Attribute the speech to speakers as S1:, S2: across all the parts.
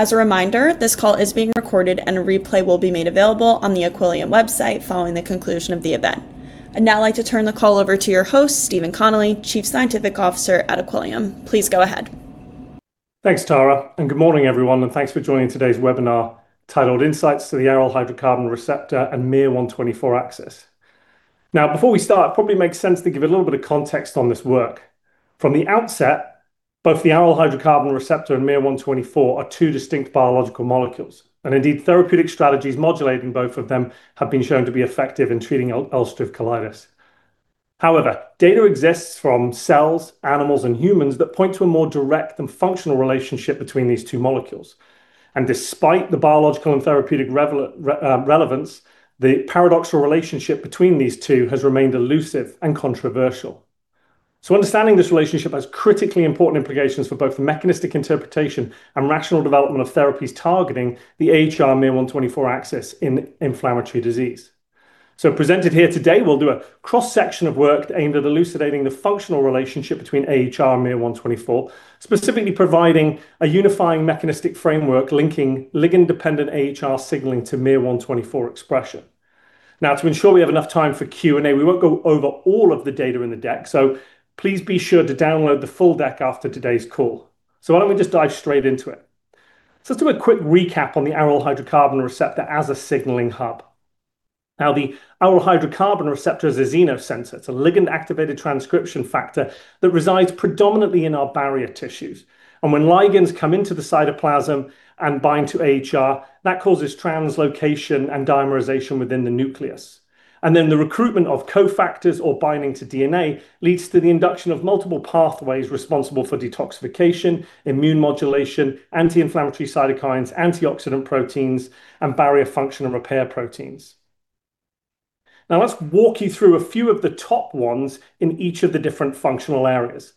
S1: As a reminder, this call is being recorded, and a replay will be made available on the Equillium website following the conclusion of the event. I'd now like to turn the call over to your host, Stephen Connelly, Chief Scientific Officer at Equillium. Please go ahead.
S2: Thanks, [Tara]. Good morning, everyone, and thanks for joining today's webinar, titled "Insights to the Aryl Hydrocarbon Receptor and miR-124 Axis." Before we start, it probably makes sense to give a little bit of context on this work. From the outset, both the aryl hydrocarbon receptor and miR-124 are two distinct biological molecules, and indeed, therapeutic strategies modulating both of them have been shown to be effective in treating ulcerative colitis. However, data exists from cells, animals, and humans that point to a more direct and functional relationship between these two molecules. Despite the biological and therapeutic relevance, the paradoxical relationship between these two has remained elusive and controversial. Understanding this relationship has critically important implications for both mechanistic interpretation and rational development of therapies targeting the AhR-miR-124 axis in inflammatory disease. Presented here today, we'll do a cross-section of work aimed at elucidating the functional relationship between AhR and miR-124, specifically providing a unifying mechanistic framework linking ligand-dependent AhR signaling to miR-124 expression. To ensure we have enough time for Q&A, we won't go over all of the data in the deck, please be sure to download the full deck after today's call. Why don't we just dive straight into it? Let's do a quick recap on the aryl hydrocarbon receptor as a signaling hub. The aryl hydrocarbon receptor is a xenosensor. It's a ligand-activated transcription factor that resides predominantly in our barrier tissues. When ligands come into the cytoplasm and bind to AhR, that causes translocation and dimerization within the nucleus. The recruitment of cofactors or binding to DNA leads to the induction of multiple pathways responsible for detoxification, immune modulation, anti-inflammatory cytokines, antioxidant proteins, and barrier function and repair proteins. Let's walk you through a few of the top ones in each of the different functional areas.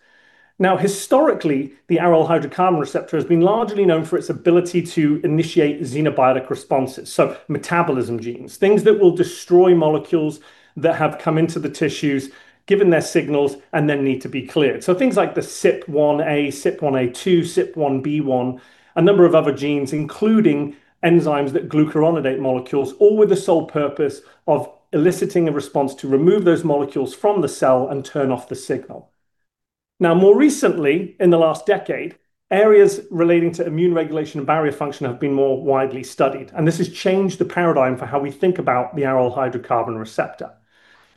S2: Historically, the aryl hydrocarbon receptor has been largely known for its ability to initiate xenobiotic responses, so metabolism genes, things that will destroy molecules that have come into the tissues, given their signals, and then need to be cleared. Things like the CYP1A, CYP1A2, CYP1B1, a number of other genes, including enzymes that glucuronidate molecules, all with the sole purpose of eliciting a response to remove those molecules from the cell and turn off the signal. More recently, in the last decade, areas relating to immune regulation and barrier function have been more widely studied, and this has changed the paradigm for how we think about the aryl hydrocarbon receptor.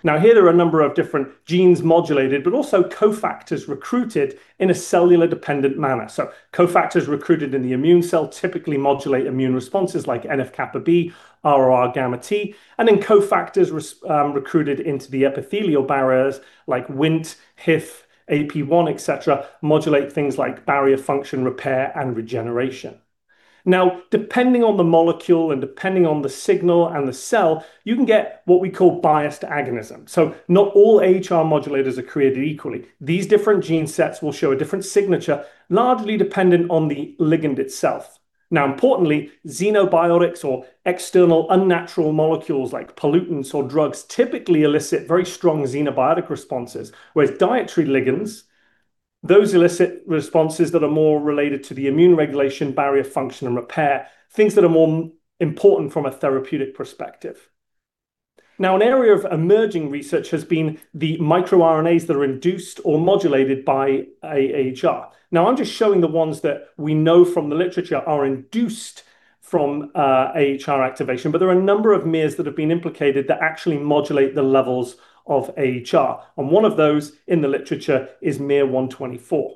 S2: Here there are a number of different genes modulated, but also cofactors recruited in a cellular dependent manner. Cofactors recruited in the immune cell typically modulate immune responses like NF-κB, RORγt, and then cofactors recruited into the epithelial barriers like Wnt, HIF, AP1, et cetera, modulate things like barrier function repair and regeneration. Depending on the molecule and depending on the signal and the cell, you can get what we call biased agonism. Not all AhR modulators are created equally. These different gene sets will show a different signature, largely dependent on the ligand itself. Importantly, xenobiotics or external unnatural molecules like pollutants or drugs typically elicit very strong xenobiotic responses, whereas dietary ligands, those elicit responses that are more related to the immune regulation, barrier function, and repair, things that are more important from a therapeutic perspective. An area of emerging research has been the microRNAs that are induced or modulated by AhR. I'm just showing the ones that we know from the literature are induced from AhR activation, but there are a number of miRs that have been implicated that actually modulate the levels of AhR, and one of those in the literature is miR-124.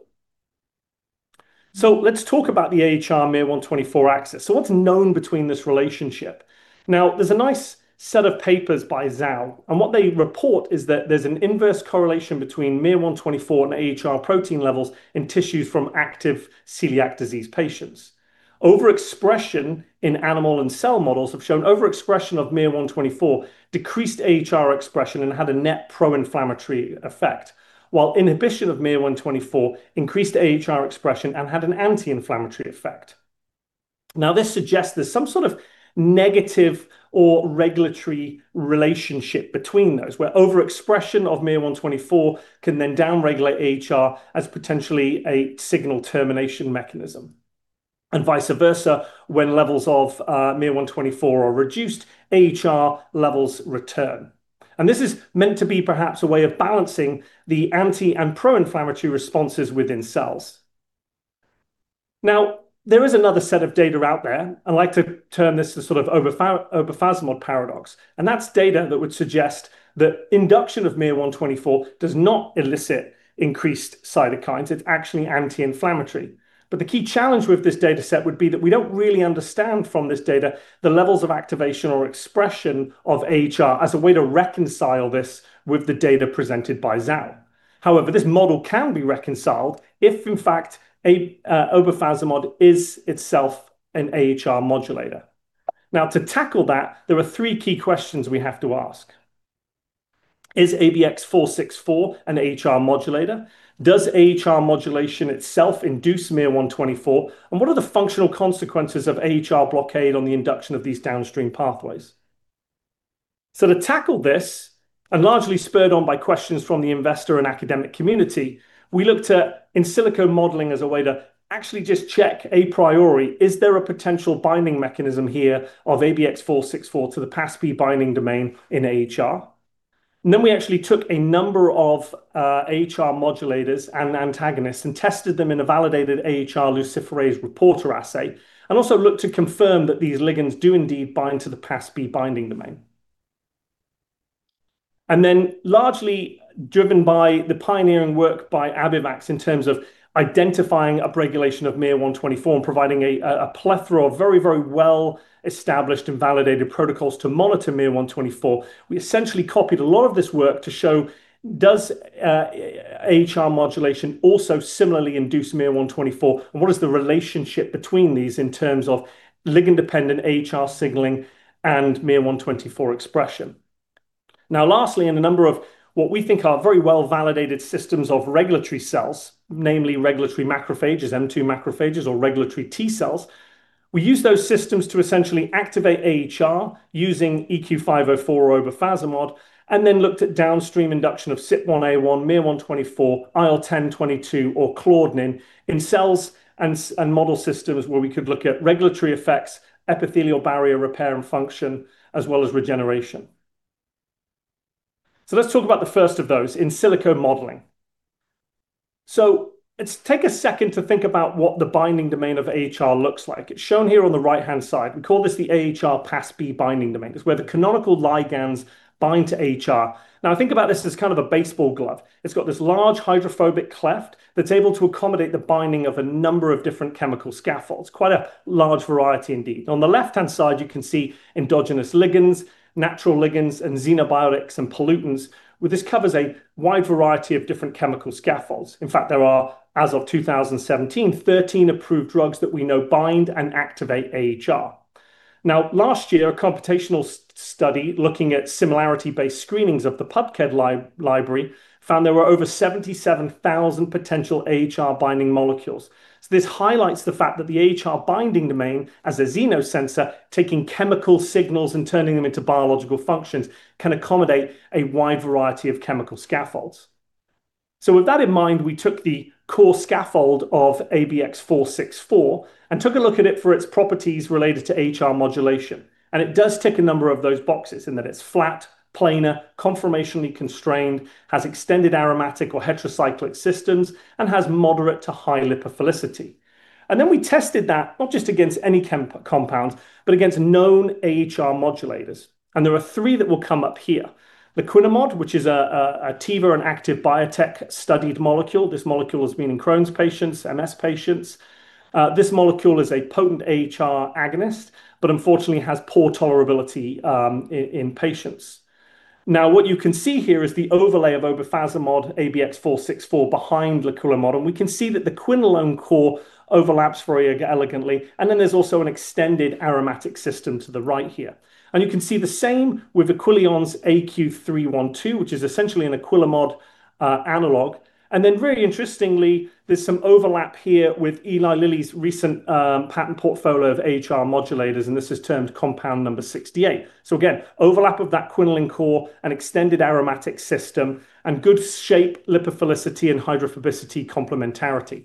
S2: Let's talk about the AhR-miR-124 axis. What's known between this relationship? There's a nice set of papers by Zhao, and what they report is that there's an inverse correlation between miR-124 and AhR protein levels in tissues from active celiac disease patients. Overexpression in animal and cell models have shown overexpression of miR-124 decreased AhR expression and had a net pro-inflammatory effect, while inhibition of miR-124 increased AhR expression and had an anti-inflammatory effect. This suggests there's some sort of negative or regulatory relationship between those, where overexpression of miR-124 can then downregulate AhR as potentially a signal termination mechanism. Vice versa, when levels of miR-124 are reduced, AhR levels return. This is meant to be perhaps a way of balancing the anti and pro-inflammatory responses within cells. There is another set of data out there. I like to term this the sort of obefazimod paradox, and that's data that would suggest that induction of miR-124 does not elicit increased cytokines. It's actually anti-inflammatory. The key challenge with this data set would be that we don't really understand from this data the levels of activation or expression of AhR as a way to reconcile this with the data presented by Zhao. However, this model can be reconciled if, in fact, obefazimod is itself an AhR modulator. Now, to tackle that, there are three key questions we have to ask. Is ABX464 an AhR modulator? Does AhR modulation itself induce miR-124? What are the functional consequences of AhR blockade on the induction of these downstream pathways? To tackle this, and largely spurred on by questions from the investor and academic community, we looked at in silico modeling as a way to actually just check a priori, is there a potential binding mechanism here of ABX464 to the PAS-B binding domain in AhR? We actually took a number of AhR modulators and antagonists and tested them in a validated AhR luciferase reporter assay, also looked to confirm that these ligands do indeed bind to the PAS-B binding domain. Largely driven by the pioneering work by Abivax in terms of identifying upregulation of miR-124 and providing a plethora of very well-established and validated protocols to monitor miR-124. We essentially copied a lot of this work to show does AhR modulation also similarly induce miR-124, and what is the relationship between these in terms of ligand-dependent AhR signaling and miR-124 expression. Lastly, in a number of what we think are very well-validated systems of regulatory cells, namely regulatory macrophages, M2 macrophages, or regulatory T cells, we use those systems to essentially activate AhR using EQ504 or obefazimod, and then looked at downstream induction of CYP1A1, miR-124, IL-10, IL-22, or claudin in cells and model systems where we could look at regulatory effects, epithelial barrier repair and function, as well as regeneration. Let's talk about the first of those, in silico modeling. Let's take a second to think about what the binding domain of AhR looks like. It's shown here on the right-hand side. We call this the AhR PAS-B binding domain. It's where the canonical ligands bind to AhR. Think about this as kind of a baseball glove. It's got this large hydrophobic cleft that's able to accommodate the binding of a number of different chemical scaffolds. Quite a large variety indeed. On the left-hand side, you can see endogenous ligands, natural ligands, and xenobiotics and pollutants. This covers a wide variety of different chemical scaffolds. In fact, there are, as of 2017, 13 approved drugs that we know bind and activate AhR. Last year, a computational study looking at similarity-based screenings of the PubChem library found there were over 77,000 potential AhR binding molecules. This highlights the fact that the AhR binding domain as a xenosensor, taking chemical signals and turning them into biological functions, can accommodate a wide variety of chemical scaffolds. With that in mind, we took the core scaffold of ABX464 and took a look at it for its properties related to AhR modulation. It does tick a number of those boxes in that it's flat, planar, conformationally constrained, has extended aromatic or heterocyclic systems, and has moderate to high lipophilicity. We tested that not just against any compound, but against known AhR modulators. There are three that will come up here, laquinimod, which is a Teva and Active Biotech-studied molecule. This molecule has been in Crohn's patients, MS patients. This molecule is a potent AhR agonist, but unfortunately has poor tolerability in patients. What you can see here is the overlay of obefazimod, ABX464 behind laquinimod, and we can see that the quinoline core overlaps very elegantly, there's also an extended aromatic system to the right here. You can see the same with AQILION's AQ312, which is essentially a laquinimod analog. Very interestingly, there's some overlap here with Eli Lilly's recent patent portfolio of AhR modulators, and this is termed compound number 68. Again, overlap of that quinoline core and extended aromatic system, and good shape, lipophilicity, and hydrophobicity complementarity.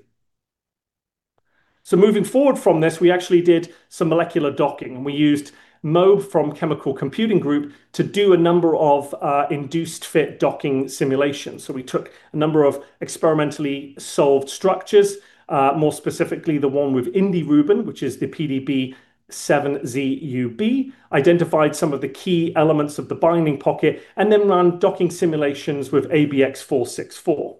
S2: Moving forward from this, we actually did some molecular docking, and we used MOE from Chemical Computing Group to do a number of induced fit docking simulations. We took a number of experimentally solved structures, more specifically the one with indirubin, which is the PDB7ZUB, identified some of the key elements of the binding pocket, and then ran docking simulations with ABX464.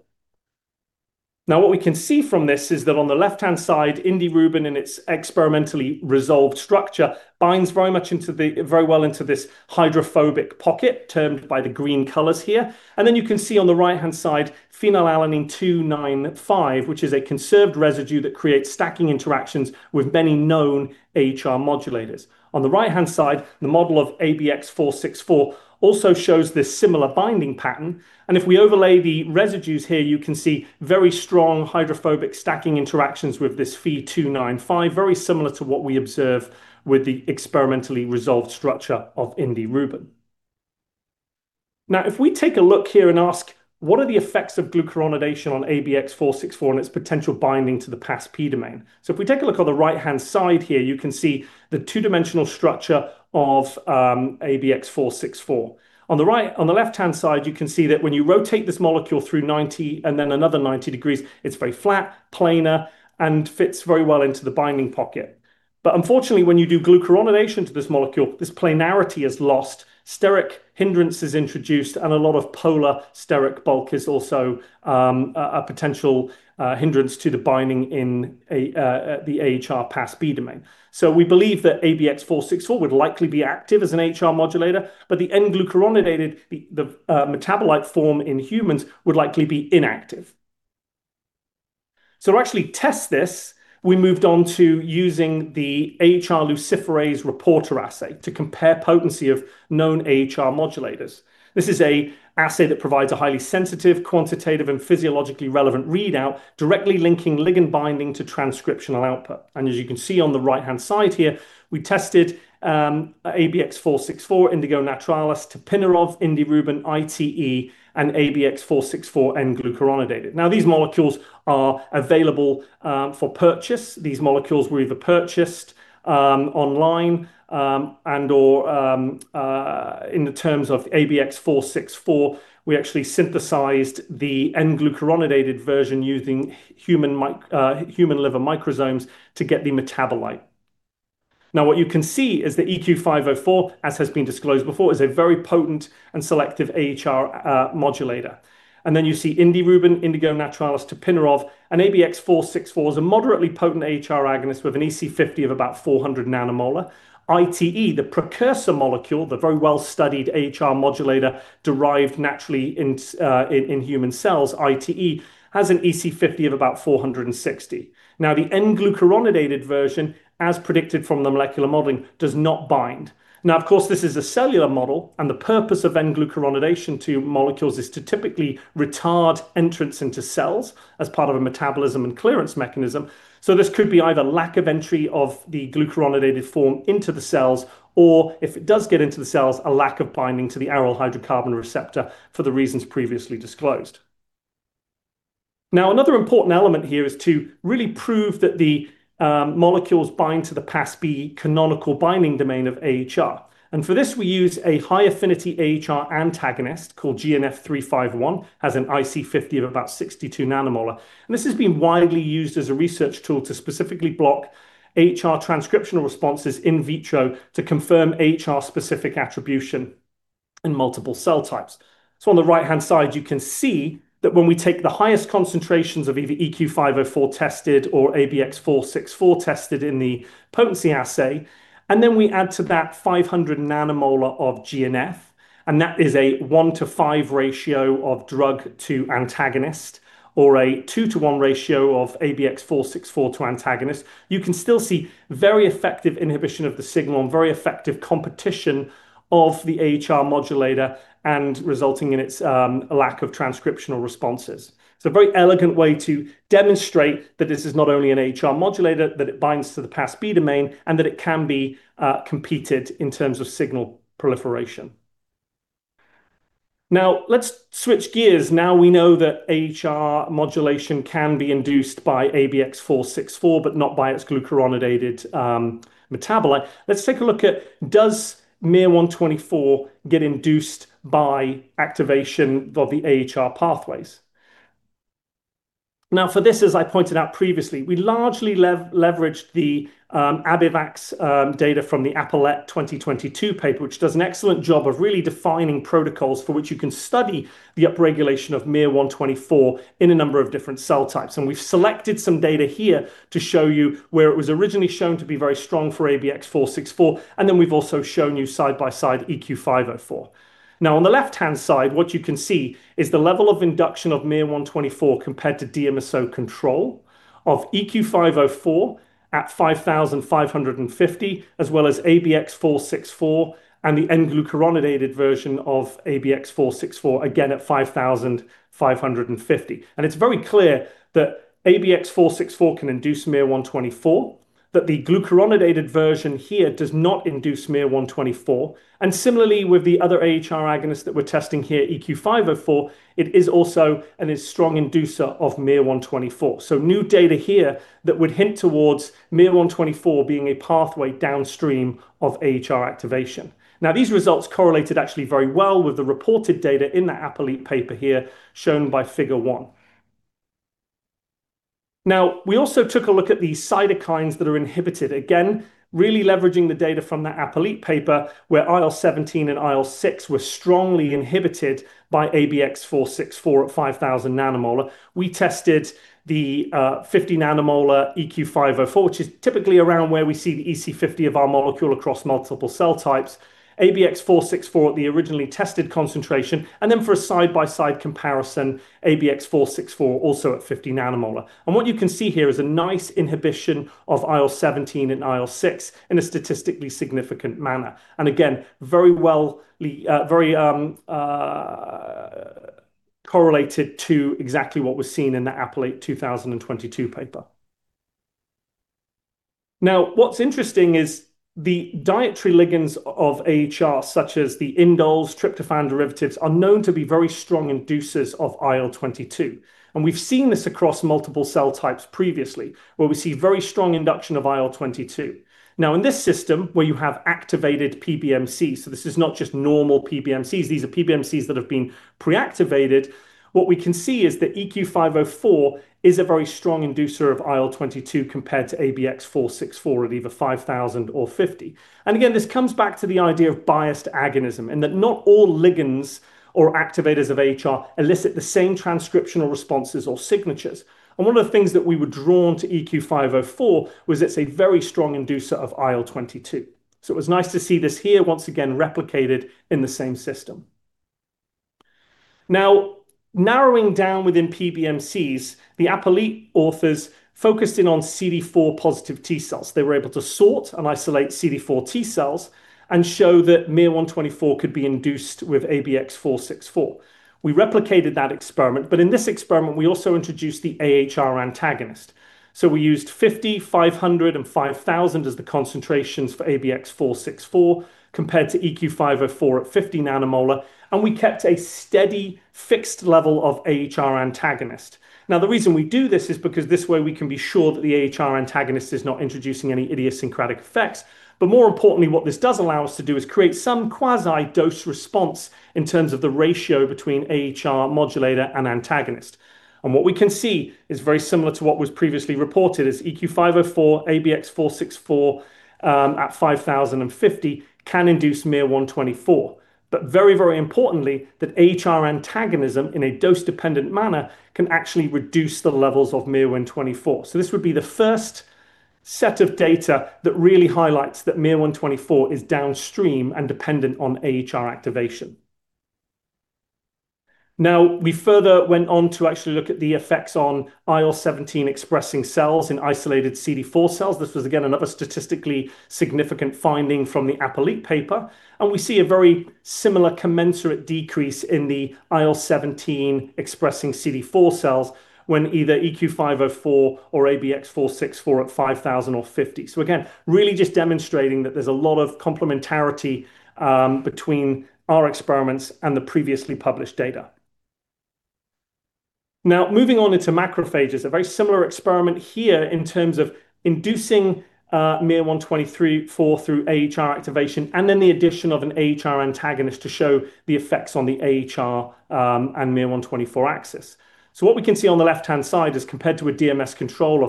S2: What we can see from this is that on the left-hand side, indirubin in its experimentally resolved structure binds very well into this hydrophobic pocket termed by the green colors here. You can see on the right-hand side, phenylalanine 295, which is a conserved residue that creates stacking interactions with many known AhR modulators. On the right-hand side, the model of ABX464 also shows this similar binding pattern, and if we overlay the residues here, you can see very strong hydrophobic stacking interactions with this Phe 295, very similar to what we observe with the experimentally resolved structure of indirubin. If we take a look here and ask, what are the effects of glucuronidation on ABX464 and its potential binding to the PAS-B domain? If we take a look on the right-hand side here, you can see the two-dimensional structure of ABX464. On the left-hand side, you can see that when you rotate this molecule through 90 and then another 90 degrees, it's very flat, planar, and fits very well into the binding pocket. Unfortunately, when you do glucuronidation to this molecule, this planarity is lost, steric hindrance is introduced, and a lot of polar steric bulk is also a potential hindrance to the binding in the AhR PAS-B domain. We believe that ABX464 would likely be active as an AhR modulator, but the N-glucuronidated, the metabolite form in humans, would likely be inactive. To actually test this, we moved on to using the AhR luciferase reporter assay to compare potency of known AhR modulators. This is an assay that provides a highly sensitive, quantitative, and physiologically relevant readout directly linking ligand binding to transcriptional output. As you can see on the right-hand side here, we tested ABX464, indigo naturalis, tapinarof, indirubin, ITE, and ABX464 N-glucuronidated. These molecules are available for purchase. These molecules were either purchased online and/or, in the terms of ABX464, we actually synthesized the N-glucuronidated version using human liver microsomes to get the metabolite. What you can see is the EQ504, as has been disclosed before, is a very potent and selective AhR modulator. You see indirubin, indigo naturalis, tapinarof, and ABX464 is a moderately potent AhR agonist with an EC50 of about 400 nM. ITE, the precursor molecule, the very well-studied AhR modulator derived naturally in human cells, ITE, has an EC50 of about 460. The N-glucuronidated version, as predicted from the molecular modeling, does not bind. Of course, this is a cellular model, and the purpose of N-glucuronidation to molecules is to typically retard entrance into cells as part of a metabolism and clearance mechanism. This could be either lack of entry of the glucuronidated form into the cells, or if it does get into the cells, a lack of binding to the aryl hydrocarbon receptor for the reasons previously disclosed. Another important element here is to really prove that the molecules bind to the PAS-B canonical binding domain of AhR. For this, we use a high-affinity AhR antagonist called GNF351, has an IC50 of about 62 nM. This has been widely used as a research tool to specifically block AhR transcriptional responses in vitro to confirm AhR-specific attribution in multiple cell types. On the right-hand side, you can see that when we take the highest concentrations of either EQ504 tested or ABX464 tested in the potency assay, and then we add to that 500 nM of GNF, and that is a 1:5 ratio of drug to antagonist, or a 2:1 ratio of ABX464 to antagonist. You can still see very effective inhibition of the signal and very effective competition of the AhR modulator and resulting in its lack of transcriptional responses. It's a very elegant way to demonstrate that this is not only an AhR modulator, that it binds to the PAS-B domain, and that it can be competed in terms of signal proliferation. Let's switch gears. We know that AhR modulation can be induced by ABX464, but not by its glucuronidated metabolite. Let's take a look at does miR-124 get induced by activation of the AhR pathways. Now, for this, as I pointed out previously, we largely leveraged the Abivax data from the Apolit 2022 paper, which does an excellent job of really defining protocols for which you can study the upregulation of miR-124 in a number of different cell types. We've selected some data here to show you where it was originally shown to be very strong for ABX464, and then we've also shown you side by side EQ504. Now, on the left-hand side, what you can see is the level of induction of miR-124 compared to DMSO control of EQ504 at 5,550, as well as ABX464 and the N-glucuronidated version of ABX464, again at 5,550. It's very clear that ABX464 can induce miR-124, that the glucuronidated version here does not induce miR-124. Similarly with the other AhR agonist that we're testing here, EQ504, it is also and is strong inducer of miR-124. New data here that would hint towards miR-124 being a pathway downstream of AhR activation. These results correlated actually very well with the reported data in that Apolit paper here shown by figure one. We also took a look at the cytokines that are inhibited, again, really leveraging the data from that Apolit paper where IL-17 and IL-6 were strongly inhibited by ABX464 at 5,000 nM. We tested the 50 nM EQ504, which is typically around where we see the EC50 of our molecule across multiple cell types, ABX464 at the originally tested concentration, and then for a side-by-side comparison, ABX464 also at 50 nM. What you can see here is a nice inhibition of IL-17 and IL-6 in a statistically significant manner. Again, very correlated to exactly what was seen in that Apolit 2022 paper. What's interesting is the dietary ligands of AhR, such as the indoles, tryptophan derivatives, are known to be very strong inducers of IL-22. We've seen this across multiple cell types previously, where we see very strong induction of IL-22. In this system, where you have activated PBMCs, so this is not just normal PBMCs, these are PBMCs that have been pre-activated. What we can see is that EQ504 is a very strong inducer of IL-22 compared to ABX464 at either 5,000 or 50. Again, this comes back to the idea of biased agonism, and that not all ligands or activators of AhR elicit the same transcriptional responses or signatures. One of the things that we were drawn to EQ504 was it's a very strong inducer of IL-22. It was nice to see this here once again replicated in the same system. Narrowing down within PBMCs, the Apolit authors focused in on CD4-positive T cells. They were able to sort and isolate CD4 T cells and show that miR-124 could be induced with ABX464. We replicated that experiment, but in this experiment, we also introduced the AhR antagonist. We used 50, 500, and 5,000 as the concentrations for ABX464 compared to EQ504 at 50 nM, and we kept a steady, fixed level of AhR antagonist. The reason we do this is because this way we can be sure that the AhR antagonist is not introducing any idiosyncratic effects. More importantly, what this does allow us to do is create some quasi dose response in terms of the ratio between AhR modulator and antagonist. What we can see is very similar to what was previously reported as EQ504, ABX464, at 5,000 and 50 can induce miR-124. Very importantly, that AhR antagonism in a dose-dependent manner can actually reduce the levels of miR-124. This would be the first set of data that really highlights that miR-124 is downstream and dependent on AhR activation. We further went on to actually look at the effects on IL-17 expressing cells in isolated CD4 cells. This was, again, another statistically significant finding from the Apolit paper. We see a very similar commensurate decrease in the IL-17 expressing CD4 cells when either EQ504 or ABX464 at 5,000 or 50. Again, really just demonstrating that there's a lot of complementarity between our experiments and the previously published data. Moving on into macrophages, a very similar experiment here in terms of inducing miR-124 through AhR activation, and then the addition of an AhR antagonist to show the effects on the AhR and miR-124 axis. What we can see on the left-hand side is compared to a DMSO control,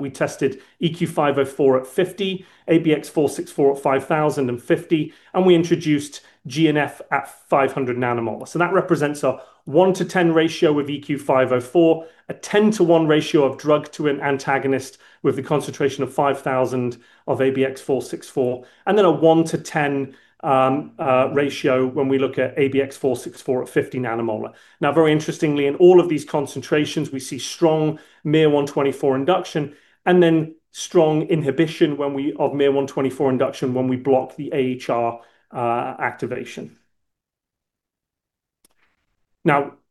S2: we tested EQ504 at 50, ABX464 at 5,050, and we introduced GNF at 500 nM. That represents a 1:10 ratio with EQ504, a 10:1 ratio of drug to an antagonist with a concentration of 5,000 of ABX464, and then a 1:10 ratio when we look at ABX464 at 50 nM. Very interestingly, in all of these concentrations, we see strong miR-124 induction and then strong inhibition of miR-124 induction when we block the AhR activation.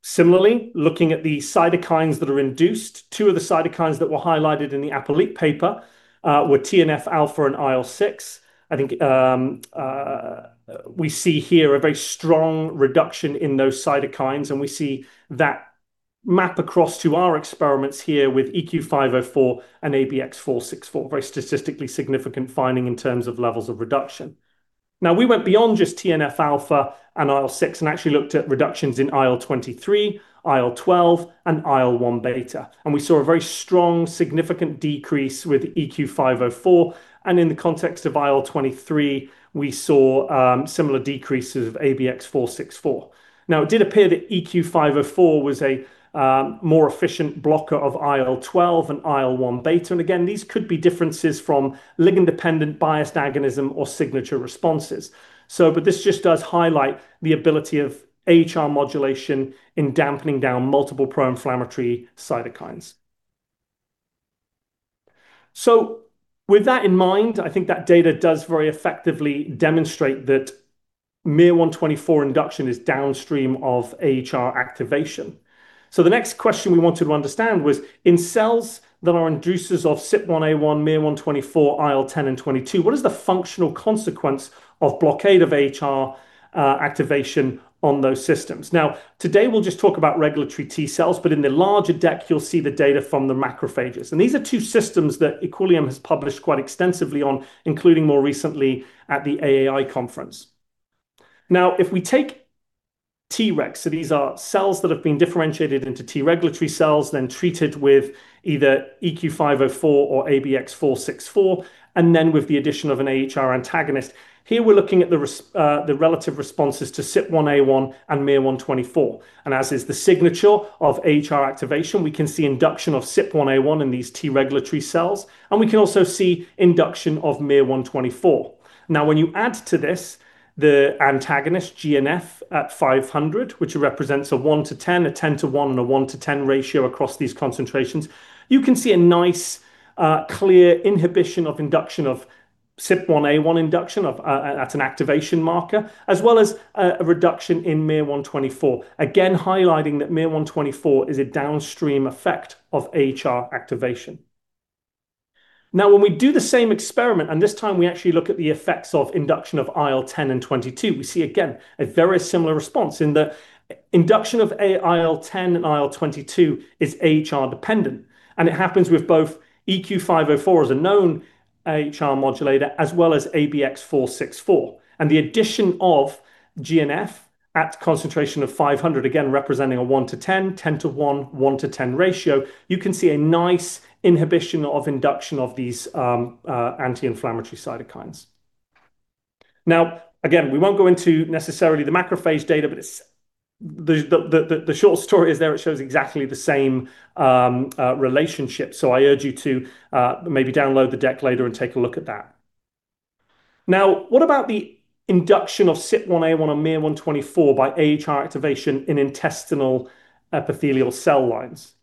S2: Similarly, looking at the cytokines that are induced, two of the cytokines that were highlighted in the Apolit paper were TNF-α and IL-6. I think we see here a very strong reduction in those cytokines, and we see that map across to our experiments here with EQ504 and ABX464. Very statistically significant finding in terms of levels of reduction. We went beyond just TNF-α and IL-6 and actually looked at reductions in IL-23, IL-12, and IL-1β. We saw a very strong, significant decrease with EQ504. In the context of IL-23, we saw similar decreases of ABX464. It did appear that EQ504 was a more efficient blocker of IL-12 and IL-1β. Again, these could be differences from ligand-dependent biased agonism or signature responses. This just does highlight the ability of AhR modulation in dampening down multiple pro-inflammatory cytokines. With that in mind, I think that data does very effectively demonstrate that miR-124 induction is downstream of AhR activation. The next question we wanted to understand was, in cells that are inducers of CYP1A1, miR-124, IL-10, and IL-22, what is the functional consequence of blockade of AhR activation on those systems? Today, we'll just talk about regulatory T cells, but in the larger deck, you'll see the data from the macrophages. These are two systems that Equillium has published quite extensively on, including more recently at the AAI conference. If we take Tregs, these are cells that have been differentiated into T regulatory cells, then treated with either EQ504 or ABX464, and then with the addition of an AhR antagonist. Here we're looking at the relative responses to CYP1A1 and miR-124. As is the signature of AhR activation, we can see induction of CYP1A1 in these T regulatory cells, and we can also see induction of miR-124. Now, when you add to this the antagonist GNF at 500, which represents a 1:10, a 10:1, and a 1:10 ratio across these concentrations, you can see a nice, clear inhibition of induction of CYP1A1 induction at an activation marker, as well as a reduction in miR-124. Again, highlighting that miR-124 is a downstream effect of AhR activation. Now, when we do the same experiment, and this time we actually look at the effects of induction of IL-10 and IL-22, we see again a very similar response in the induction of IL-10 and IL-22 is AhR dependent. It happens with both EQ504 as a known AhR modulator, as well as ABX464. The addition of GNF at concentration of 500, again, representing a 1:10, 10:1, 1:10 ratio, you can see a nice inhibition of induction of these anti-inflammatory cytokines. Again, we won't go into necessarily the macrophage data, but the short story is there it shows exactly the same relationship. I urge you to maybe download the deck later and take a look at that. What about the induction of CYP1A1 on miR-124 by AhR activation in intestinal epithelial cell lines?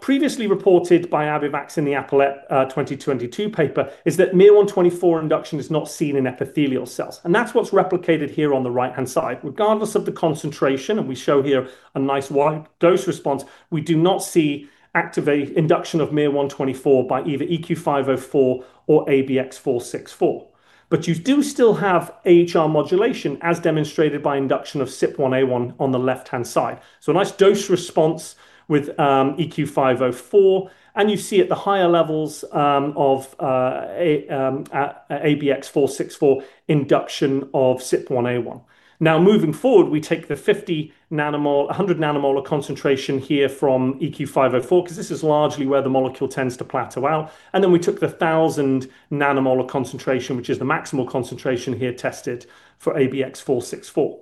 S2: Previously reported by Abivax in the Apolit 2022 paper, is that miR-124 induction is not seen in epithelial cells, and that's what's replicated here on the right-hand side. Regardless of the concentration, and we show here a nice wide dose response, we do not see induction of miR-124 by either EQ504 or ABX464. You do still have AhR modulation as demonstrated by induction of CYP1A1 on the left-hand side. A nice dose response with EQ504 and you see at the higher levels of ABX464 induction of CYP1A1. Moving forward, we take the 100 nM concentration here from EQ504 because this is largely where the molecule tends to plateau out, and then we took the 1,000 nM concentration, which is the maximal concentration here tested for ABX464.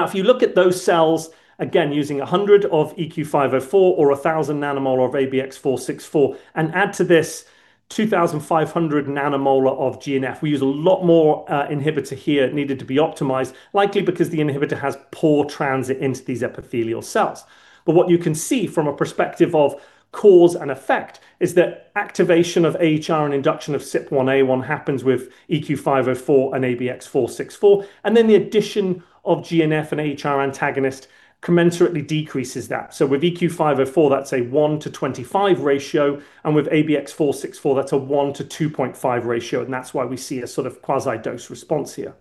S2: If you look at those cells, again using 100 of EQ504 or 1,000 nM of ABX464 and add to this 2,500 nM of GNF, we use a lot more inhibitor here, needed to be optimized, likely because the inhibitor has poor transit into these epithelial cells. What you can see from a perspective of cause and effect is that activation of AhR and induction of CYP1A1 happens with EQ504 and ABX464, and then the addition of GNF and AhR antagonist commensurately decreases that. With EQ504, that's a 1:25 ratio, and with ABX464, that's a 1:2.5 ratio and that's why we see a sort of quasi dose response here.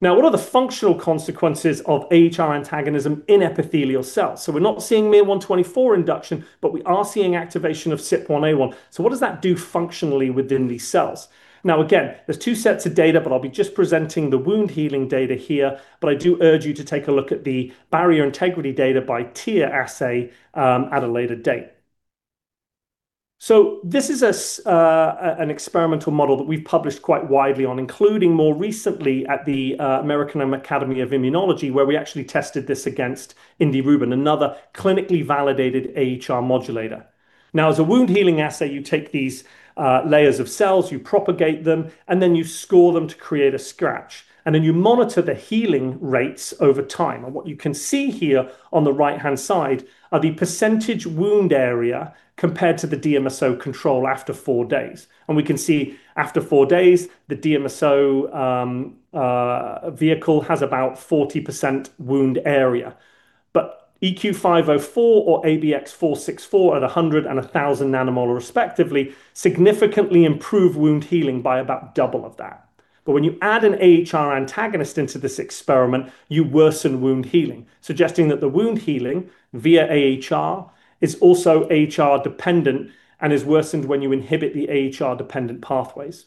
S2: What are the functional consequences of AhR antagonism in epithelial cells? We're not seeing miR-124 induction, but we are seeing activation of CYP1A1. What does that do functionally within these cells? Again, there's two sets of data, but I'll be just presenting the wound healing data here, but I do urge you to take a look at the barrier integrity data by TEER assay at a later date. This is an experimental model that we've published quite widely on, including more recently at the American Academy of Immunology, where we actually tested this against indirubin, another clinically validated AhR modulator. As a wound healing assay, you take these layers of cells, you propagate them, and then you score them to create a scratch, and then you monitor the healing rates over time. What you can see here on the right-hand side are the percentage wound area compared to the DMSO control after four days. We can see after four days, the DMSO vehicle has about 40% wound area. EQ504 or ABX464 at 100 and 1,000 nM respectively, significantly improve wound healing by about double of that. When you add an AhR antagonist into this experiment, you worsen wound healing, suggesting that the wound healing via AhR is also AhR dependent and is worsened when you inhibit the AhR dependent pathways.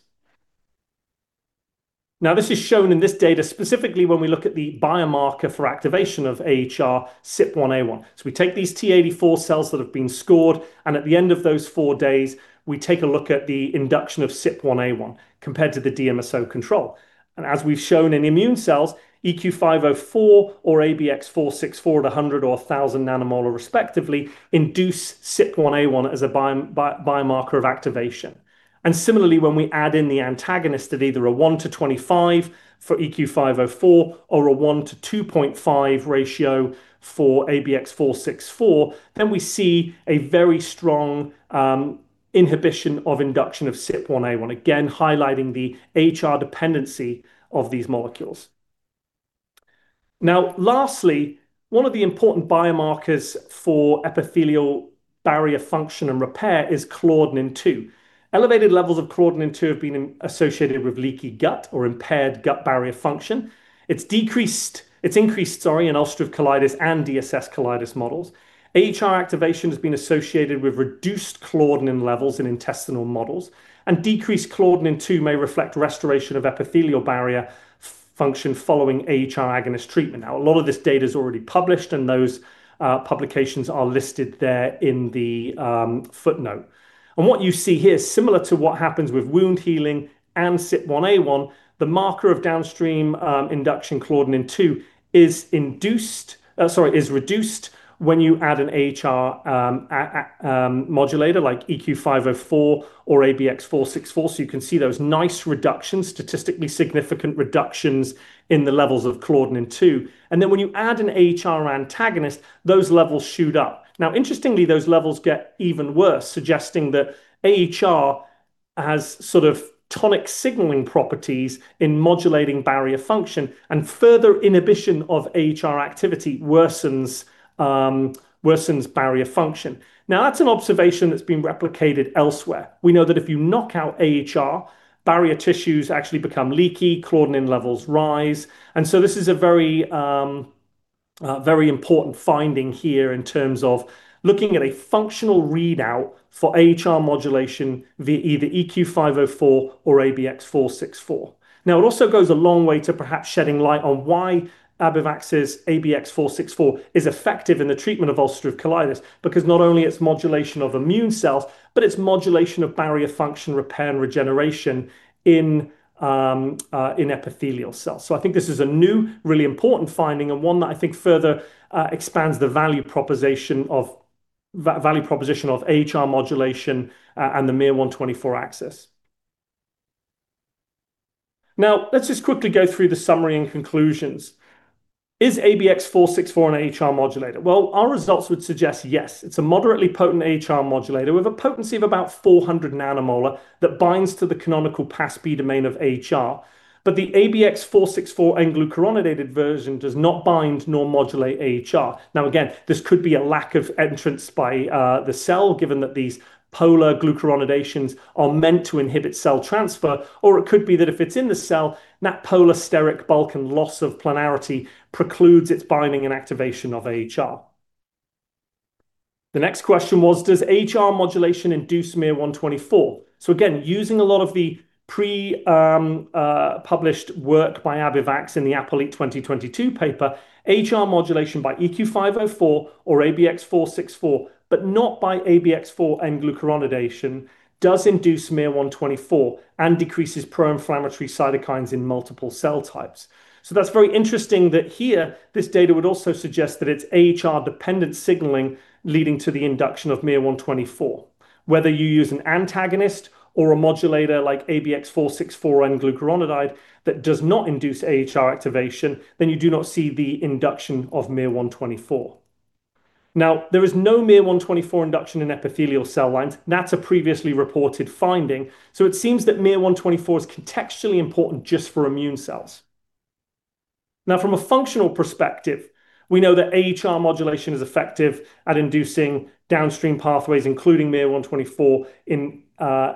S2: This is shown in this data specifically when we look at the biomarker for activation of AhR, CYP1A1. We take these T84 cells that have been scored, and at the end of those four days, we take a look at the induction of CYP1A1 compared to the DMSO control. As we've shown in immune cells, EQ504 or ABX464 at 100 or 1,000 nM respectively, induce CYP1A1 as a biomarker of activation. Similarly, when we add in the antagonist at either a 1:25 for EQ504 or a 1:2.5 ratio for ABX464, we see a very strong inhibition of induction of CYP1A1, again highlighting the AhR dependency of these molecules. Lastly, one of the important biomarkers for epithelial barrier function and repair is claudin-2. Elevated levels of claudin-2 have been associated with leaky gut or impaired gut barrier function. It's increased in ulcerative colitis and DSS colitis models. AhR activation has been associated with reduced claudin levels in intestinal models, and decreased claudin-2 may reflect restoration of epithelial barrier function following AhR agonist treatment. A lot of this data is already published, and those publications are listed there in the footnote. What you see here, similar to what happens with wound healing and CYP1A1, the marker of downstream induction claudin-2 is reduced when you add an AhR modulator like EQ504 or ABX464. You can see those nice reductions, statistically significant reductions in the levels of claudin-2. When you add an AhR antagonist, those levels shoot up. Interestingly, those levels get even worse, suggesting that AhR has sort of tonic signaling properties in modulating barrier function and further inhibition of AhR activity worsens barrier function. That's an observation that's been replicated elsewhere. We know that if you knock out AhR, barrier tissues actually become leaky, claudin levels rise, this is a very important finding here in terms of looking at a functional readout for AhR modulation via either EQ504 or ABX464. It also goes a long way to perhaps shedding light on why Abivax's ABX464 is effective in the treatment of ulcerative colitis, because not only its modulation of immune cells, but its modulation of barrier function repair and regeneration in epithelial cells. I think this is a new, really important finding and one that I think further expands the value proposition of AhR modulation and the miR-124 axis. Let's just quickly go through the summary and conclusions. Is ABX464 an AhR modulator? Well, our results would suggest yes. It's a moderately potent AhR modulator with a potency of about 400 nM that binds to the canonical PAS-B domain of AhR. The ABX464 and glucuronidated version does not bind nor modulate AhR. Again, this could be a lack of entrance by the cell, given that these polar glucuronidations are meant to inhibit cell transfer, or it could be that if it's in the cell, that polar steric bulk and loss of planarity precludes its binding and activation of AhR. The next question was, does AhR modulation induce miR-124? Again, using a lot of the pre-published work by Abivax in the Apolit 2022 paper, AhR modulation by EQ504 or ABX464, but not by ABX464 and glucuronidation, does induce miR-124 and decreases pro-inflammatory cytokines in multiple cell types. That's very interesting that here this data would also suggest that it's AhR-dependent signaling leading to the induction of miR-124. Whether you use an antagonist or a modulator like ABX464 and glucuronide that does not induce AhR activation, you do not see the induction of miR-124. There is no miR-124 induction in epithelial cell lines. That's a previously reported finding. It seems that miR-124 is contextually important just for immune cells. From a functional perspective, we know that AhR modulation is effective at inducing downstream pathways, including miR-124 in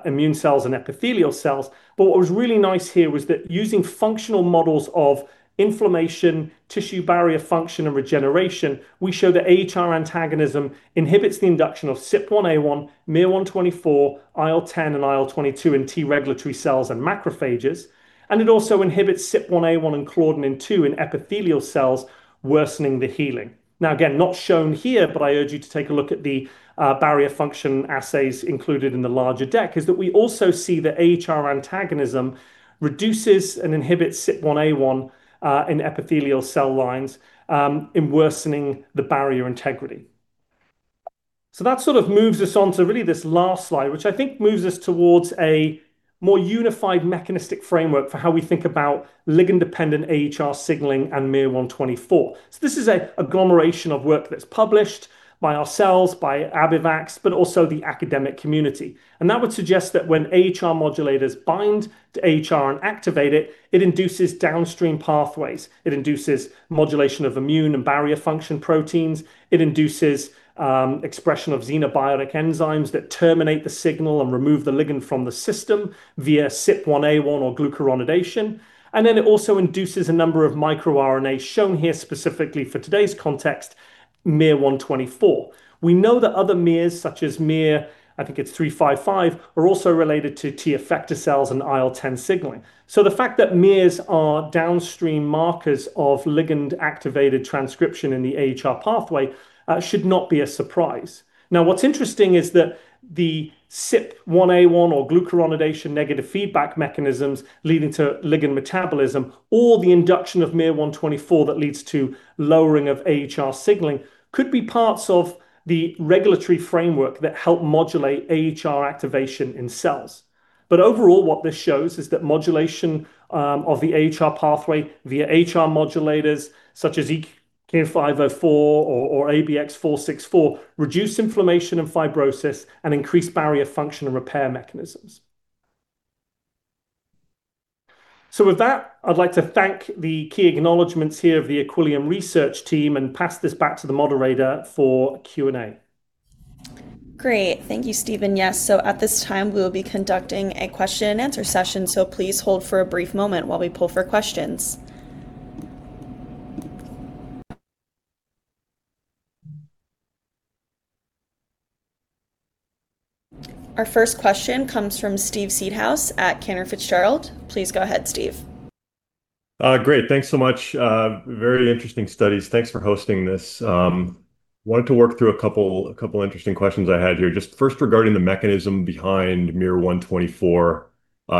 S2: immune cells and epithelial cells. What was really nice here was that using functional models of inflammation, tissue barrier function, and regeneration, we show that AhR antagonism inhibits the induction of CYP1A1, miR-124, IL-10, and IL-22 in T regulatory cells and macrophages, and it also inhibits CYP1A1 and claudin-2 in epithelial cells, worsening the healing. Again, not shown here, but I urge you to take a look at the barrier function assays included in the larger deck, is that we also see that AhR antagonism reduces and inhibits CYP1A1 in epithelial cell lines in worsening the barrier integrity. That sort of moves us on to really this last slide, which I think moves us towards a more unified mechanistic framework for how we think about ligand-dependent AhR signaling and miR-124. This is an agglomeration of work that's published by ourselves, by Abivax, but also the academic community. That would suggest that when AhR modulators bind to AhR and activate it induces downstream pathways. It induces modulation of immune and barrier function proteins. It induces expression of xenobiotic enzymes that terminate the signal and remove the ligand from the system via CYP1A1 or glucuronidation. It also induces a number of microRNAs, shown here specifically for today's context, miR-124. We know that other miRs, such as miR, I think it's 355, are also related to T effector cells and IL-10 signaling. The fact that miRs are downstream markers of ligand-activated transcription in the AhR pathway should not be a surprise. What's interesting is that the CYP1A1 or glucuronidation negative feedback mechanisms leading to ligand metabolism, or the induction of miR-124 that leads to lowering of AhR signaling, could be parts of the regulatory framework that help modulate AhR activation in cells. Overall, what this shows is that modulation of the AhR pathway via AhR modulators such as EQ504 or ABX464 reduce inflammation and fibrosis and increase barrier function and repair mechanisms. With that, I'd like to thank the key acknowledgments here of the Equillium research team and pass this back to the moderator for Q&A.
S1: Great. Thank you, Stephen. At this time, we will be conducting a question-and-answer session, so please hold for a brief moment while we pull for questions. Our first question comes from Steve Seedhouse at Cantor Fitzgerald. Please go ahead, Steve.
S3: Great. Thanks so much. Very interesting studies. Thanks for hosting this. I wanted to work through a couple interesting questions I had here. Just first regarding the mechanism behind miR-124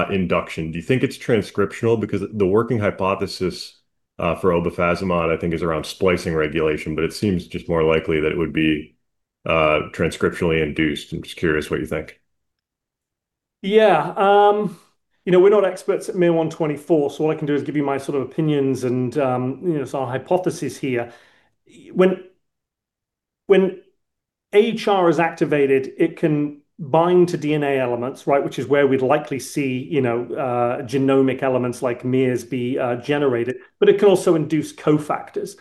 S3: induction, do you think it's transcriptional? The working hypothesis for obefazimod, I think, is around splicing regulation, but it seems just more likely that it would be transcriptionally induced. I'm just curious what you think.
S2: We're not experts at miR-124, so all I can do is give you my sort of opinions and sort of hypothesis here. When AhR is activated, it can bind to DNA elements, which is where we'd likely see genomic elements like miRs be generated, but it can also induce cofactors.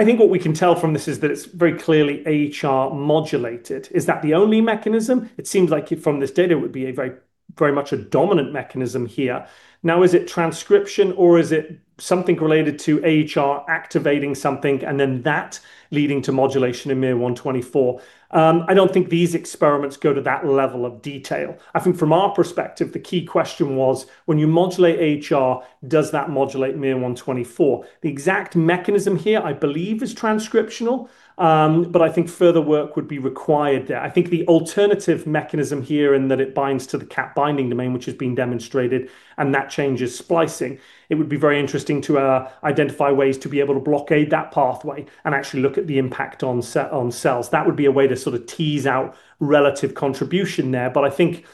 S2: I think what we can tell from this is that it's very clearly AhR modulated. Is that the only mechanism? It seems like from this data, it would be very much a dominant mechanism here. Is it transcription or is it something related to AhR activating something and then that leading to modulation in miR-124? I don't think these experiments go to that level of detail. I think from our perspective, the key question was, when you modulate AhR, does that modulate miR-124? The exact mechanism here, I believe, is transcriptional, but I think further work would be required there. I think the alternative mechanism here, in that it binds to the CBC binding domain, which has been demonstrated, and that changes splicing. It would be very interesting to identify ways to be able to blockade that pathway and actually look at the impact on cells. That would be a way to sort of tease out relative contribution there. I think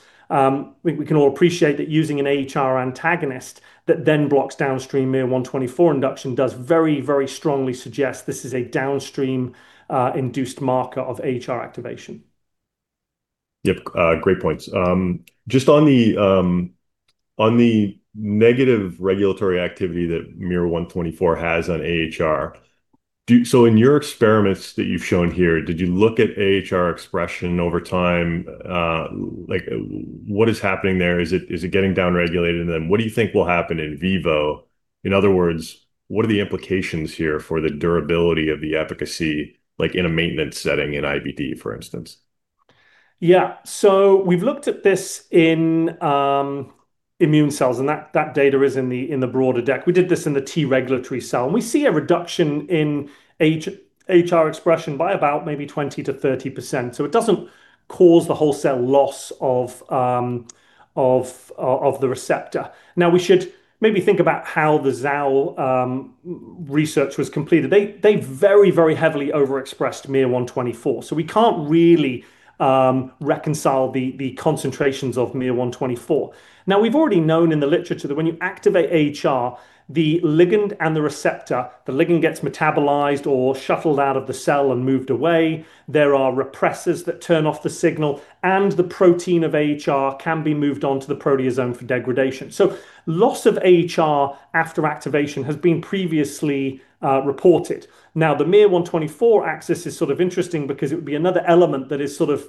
S2: we can all appreciate that using an AhR antagonist that then blocks downstream miR-124 induction does very, very strongly suggest this is a downstream-induced marker of AhR activation.
S3: Yep. Great points. Just on the negative regulatory activity that miR-124 has on AhR. In your experiments that you've shown here, did you look at AhR expression over time? What is happening there? Is it getting down-regulated? What do you think will happen in vivo? In other words, what are the implications here for the durability of the efficacy, like in a maintenance setting in IBD, for instance?
S2: Yeah. We've looked at this in immune cells, and that data is in the broader deck. We did this in the T regulatory cell, and we see a reduction in AhR expression by about maybe 20%-30%. It doesn't cause the whole cell loss of the receptor. We should maybe think about how the Zhao research was completed. They very heavily overexpressed miR-124. We can't really reconcile the concentrations of miR-124. We've already known in the literature that when you activate AhR, the ligand and the receptor, the ligand gets metabolized or shuffled out of the cell and moved away. There are repressors that turn off the signal, and the protein of AhR can be moved on to the proteasome for degradation. Loss of AhR after activation has been previously reported. The miR-124 axis is sort of interesting because it would be another element that is sort of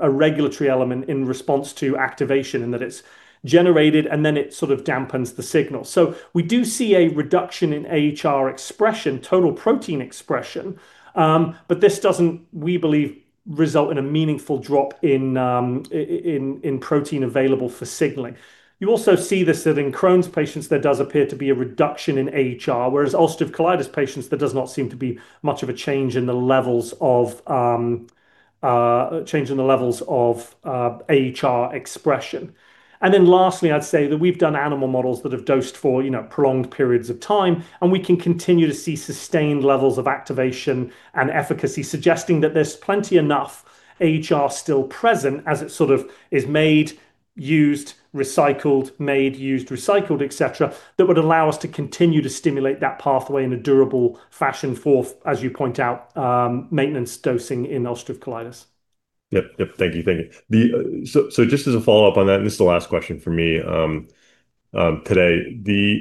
S2: a regulatory element in response to activation, in that it's generated and then it sort of dampens the signal. We do see a reduction in AhR expression, total protein expression, but this doesn't, we believe, result in a meaningful drop in protein available for signaling. You also see this that in Crohn's patients, there does appear to be a reduction in AhR, whereas ulcerative colitis patients, there does not seem to be much of a change in the levels of AhR expression. Lastly, I'd say that we've done animal models that have dosed for prolonged periods of time, and we can continue to see sustained levels of activation and efficacy, suggesting that there's plenty enough AhR still present as it sort of is made, used, recycled, made, used, recycled, et cetera, that would allow us to continue to stimulate that pathway in a durable fashion for, as you point out, maintenance dosing in ulcerative colitis.
S3: Yep. Thank you. Just as a follow-up on that. This is the last question from me today. Do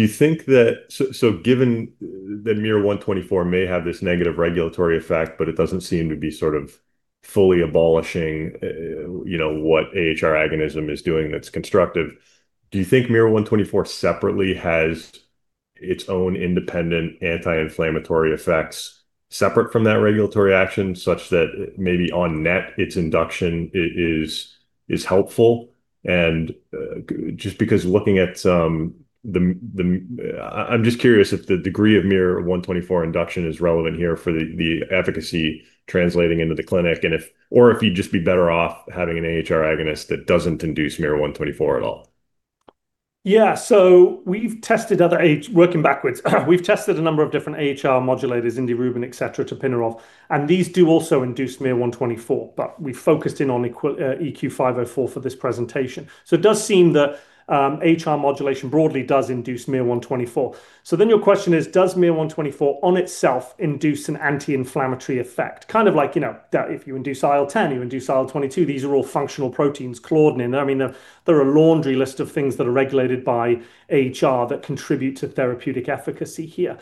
S3: you think that, given that miR-124 may have this negative regulatory effect, but it doesn't seem to be sort of fully abolishing what AhR agonism is doing that's constructive. Do you think miR-124 separately has its own independent anti-inflammatory effects separate from that regulatory action, such that maybe on net, its induction is helpful? Just because I'm just curious if the degree of miR-124 induction is relevant here for the efficacy translating into the clinic, or if you'd just be better off having an AhR agonist that doesn't induce miR-124 at all.
S2: Yeah. Working backwards, we've tested a number of different AhR modulators, indirubin, et cetera, tapinarof, and these do also induce miR-124. We focused in on EQ504 for this presentation. It does seem that AhR modulation broadly does induce miR-124. Your question is, does miR-124 on itself induce an anti-inflammatory effect? Kind of like, if you induce IL-10, you induce IL-22, these are all functional proteins, claudin. There are a laundry list of things that are regulated by AhR that contribute to therapeutic efficacy here.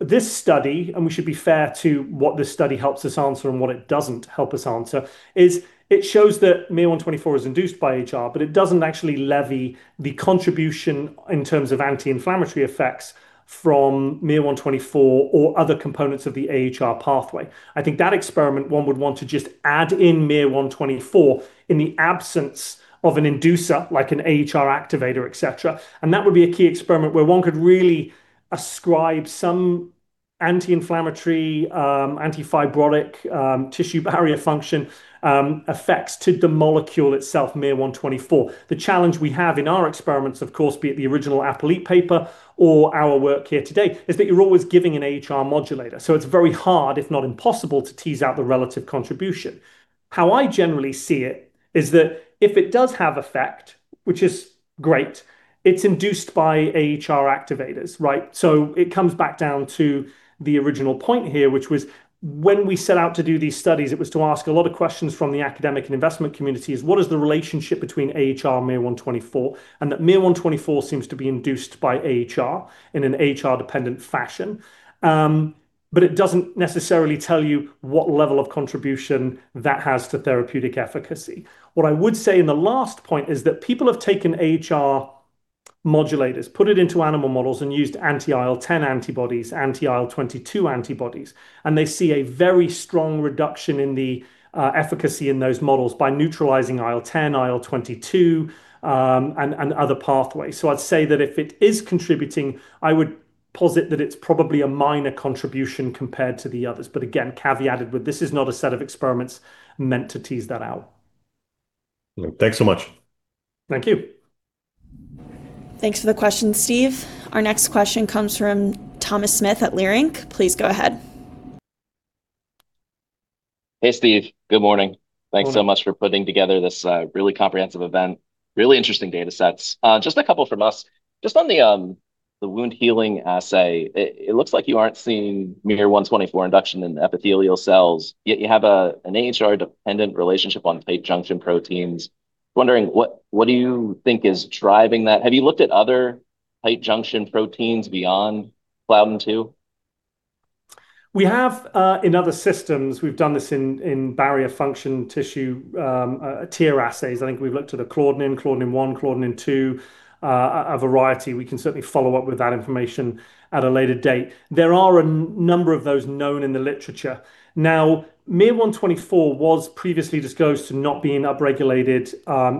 S2: This study, and we should be fair to what this study helps us answer and what it doesn't help us answer, is it shows that miR-124 is induced by AhR, but it doesn't actually levy the contribution in terms of anti-inflammatory effects from miR-124 or other components of the AhR pathway. I think that experiment, one would want to just add in miR-124 in the absence of an inducer, like an AhR activator, et cetera. That would be a key experiment where one could really ascribe some anti-inflammatory, anti-fibrotic, tissue barrier function effects to the molecule itself, miR-124. The challenge we have in our experiments, of course, be it the original Apolit paper or our work here today, is that you're always giving an AhR modulator. It's very hard, if not impossible, to tease out the relative contribution. How I generally see it is that if it does have effect, which is great, it's induced by AhR activators, right? It comes back down to the original point here, which was when we set out to do these studies, it was to ask a lot of questions from the academic and investment community is, what is the relationship between AhR and miR-124? That miR-124 seems to be induced by AhR in an AhR-dependent fashion. It doesn't necessarily tell you what level of contribution that has to therapeutic efficacy. What I would say in the last point is that people have taken AhR modulators, put it into animal models, and used anti-IL-10 antibodies, anti-IL-22 antibodies, and they see a very strong reduction in the efficacy in those models by neutralizing IL-10, IL-22, and other pathways. I'd say that if it is contributing, I would posit that it's probably a minor contribution compared to the others. Again, caveated with this is not a set of experiments meant to tease that out.
S3: Thanks so much.
S2: Thank you.
S1: Thanks for the question, Steve. Our next question comes from Thomas Smith at Leerink. Please go ahead.
S4: Hey, Steve. Good morning. Thanks so much for putting together this really comprehensive event. Really interesting data sets. Just a couple from us. Just on the wound healing assay, it looks like you aren't seeing miR-124 induction in epithelial cells, yet you have an AhR-dependent relationship on tight junction proteins. I am wondering, what do you think is driving that? Have you looked at other tight junction proteins beyond claudin-2?
S2: We have, in other systems, we've done this in barrier function tissue TEER assays. I think we've looked at the claudin-1, claudin-2, a variety. We can certainly follow up with that information at a later date. There are a number of those known in the literature. Now, miR-124 was previously disclosed to not being upregulated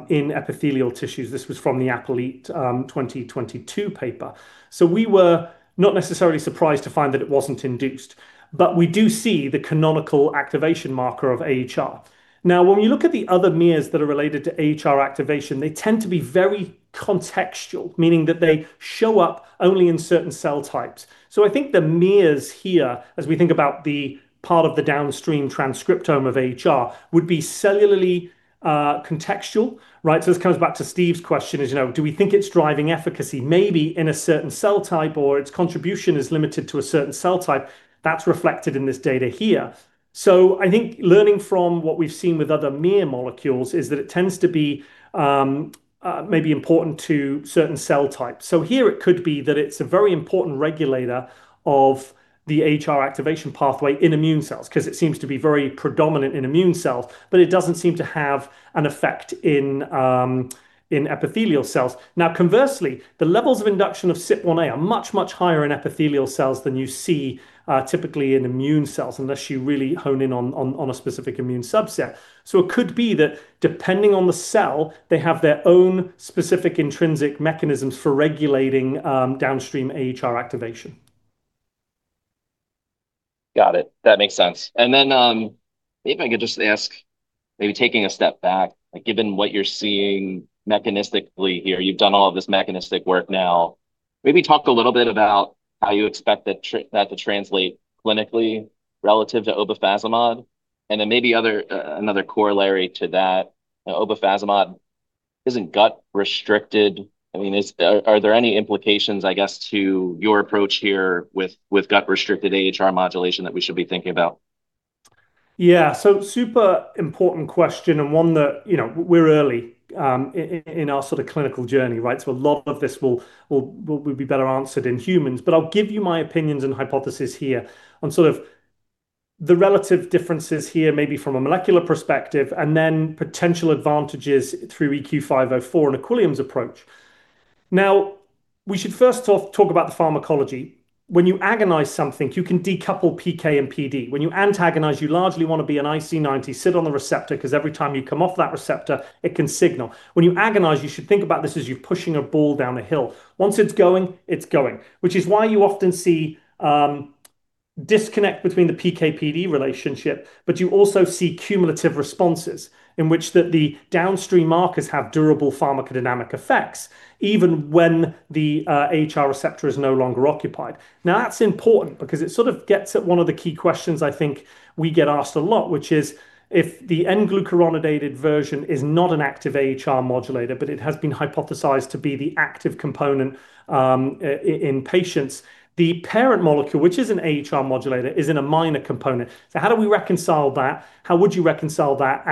S2: in epithelial tissues. This was from the Apolit 2022 paper. We were not necessarily surprised to find that it wasn't induced. We do see the canonical activation marker of AhR. When we look at the other miRs that are related to AhR activation, they tend to be very contextual, meaning that they show up only in certain cell types. I think the miRs here, as we think about the part of the downstream transcriptome of AhR, would be cellularly contextual, right? This comes back to Steve's question, do we think it's driving efficacy? Maybe in a certain cell type or its contribution is limited to a certain cell type, that's reflected in this data here. I think learning from what we've seen with other miR molecules is that it tends to be maybe important to certain cell types. Here it could be that it's a very important regulator of the AhR activation pathway in immune cells, because it seems to be very predominant in immune cells, but it doesn't seem to have an effect in epithelial cells. Conversely, the levels of induction of CYP1A are much, much higher in epithelial cells than you see typically in immune cells, unless you really hone in on a specific immune subset. It could be that depending on the cell, they have their own specific intrinsic mechanisms for regulating downstream AhR activation.
S4: Got it. That makes sense. Maybe I could just ask, maybe taking a step back, given what you're seeing mechanistically here, you've done all of this mechanistic work now. Maybe talk a little bit about how you expect that to translate clinically relative to obefazimod. Maybe another corollary to that, obefazimod isn't gut restricted. Are there any implications, I guess, to your approach here with gut-restricted AhR modulation that we should be thinking about?
S2: Yeah. Super important question and one that we're early in our sort of clinical journey, right? A lot of this will be better answered in humans, but I'll give you my opinions and hypothesis here on sort of the relative differences here, maybe from a molecular perspective, and then potential advantages through EQ504 and Equillium's approach. Now, we should first talk about the pharmacology. When you agonize something, you can decouple PK and PD. When you antagonize, you largely want to be an IC90, sit on the receptor, because every time you come off that receptor, it can signal. When you agonize, you should think about this as you pushing a ball down a hill. Once it's going, it's going. You often see disconnect between the PK/PD relationship, but you also see cumulative responses in which that the downstream markers have durable pharmacodynamic effects, even when the AhR receptor is no longer occupied. Now, that's important because it sort of gets at one of the key questions I think we get asked a lot, which is, if the N-glucuronidated version is not an active AhR modulator, but it has been hypothesized to be the active component in patients, the parent molecule, which is an AhR modulator, is in a minor component. How do we reconcile that? How would you reconcile that?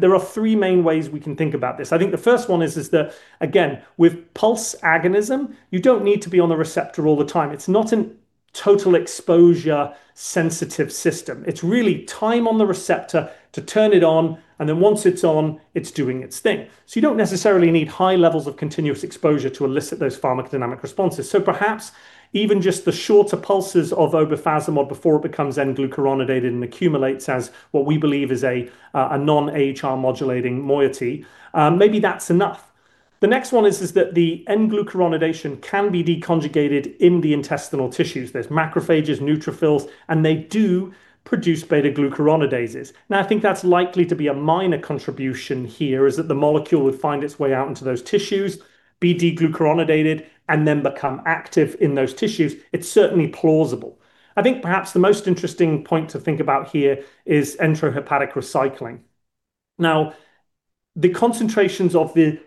S2: There are three main ways we can think about this. I think the first one is that, again, with pulse agonism, you don't need to be on the receptor all the time. It's not a total exposure-sensitive system. It's really time on the receptor to turn it on, once it's on, it's doing its thing. You don't necessarily need high levels of continuous exposure to elicit those pharmacodynamic responses. Perhaps even just the shorter pulses of obefazimod before it becomes N-glucuronidated and accumulates as what we believe is a non-AhR modulating moiety. Maybe that's enough. The next one is that the N-glucuronidation can be deconjugated in the intestinal tissues. There's macrophages, neutrophils, they do produce beta-glucuronidases. I think that's likely to be a minor contribution here, is that the molecule would find its way out into those tissues, be deglucuronidated, become active in those tissues. It's certainly plausible. I think perhaps the most interesting point to think about here is enterohepatic recycling. Now, the concentrations of the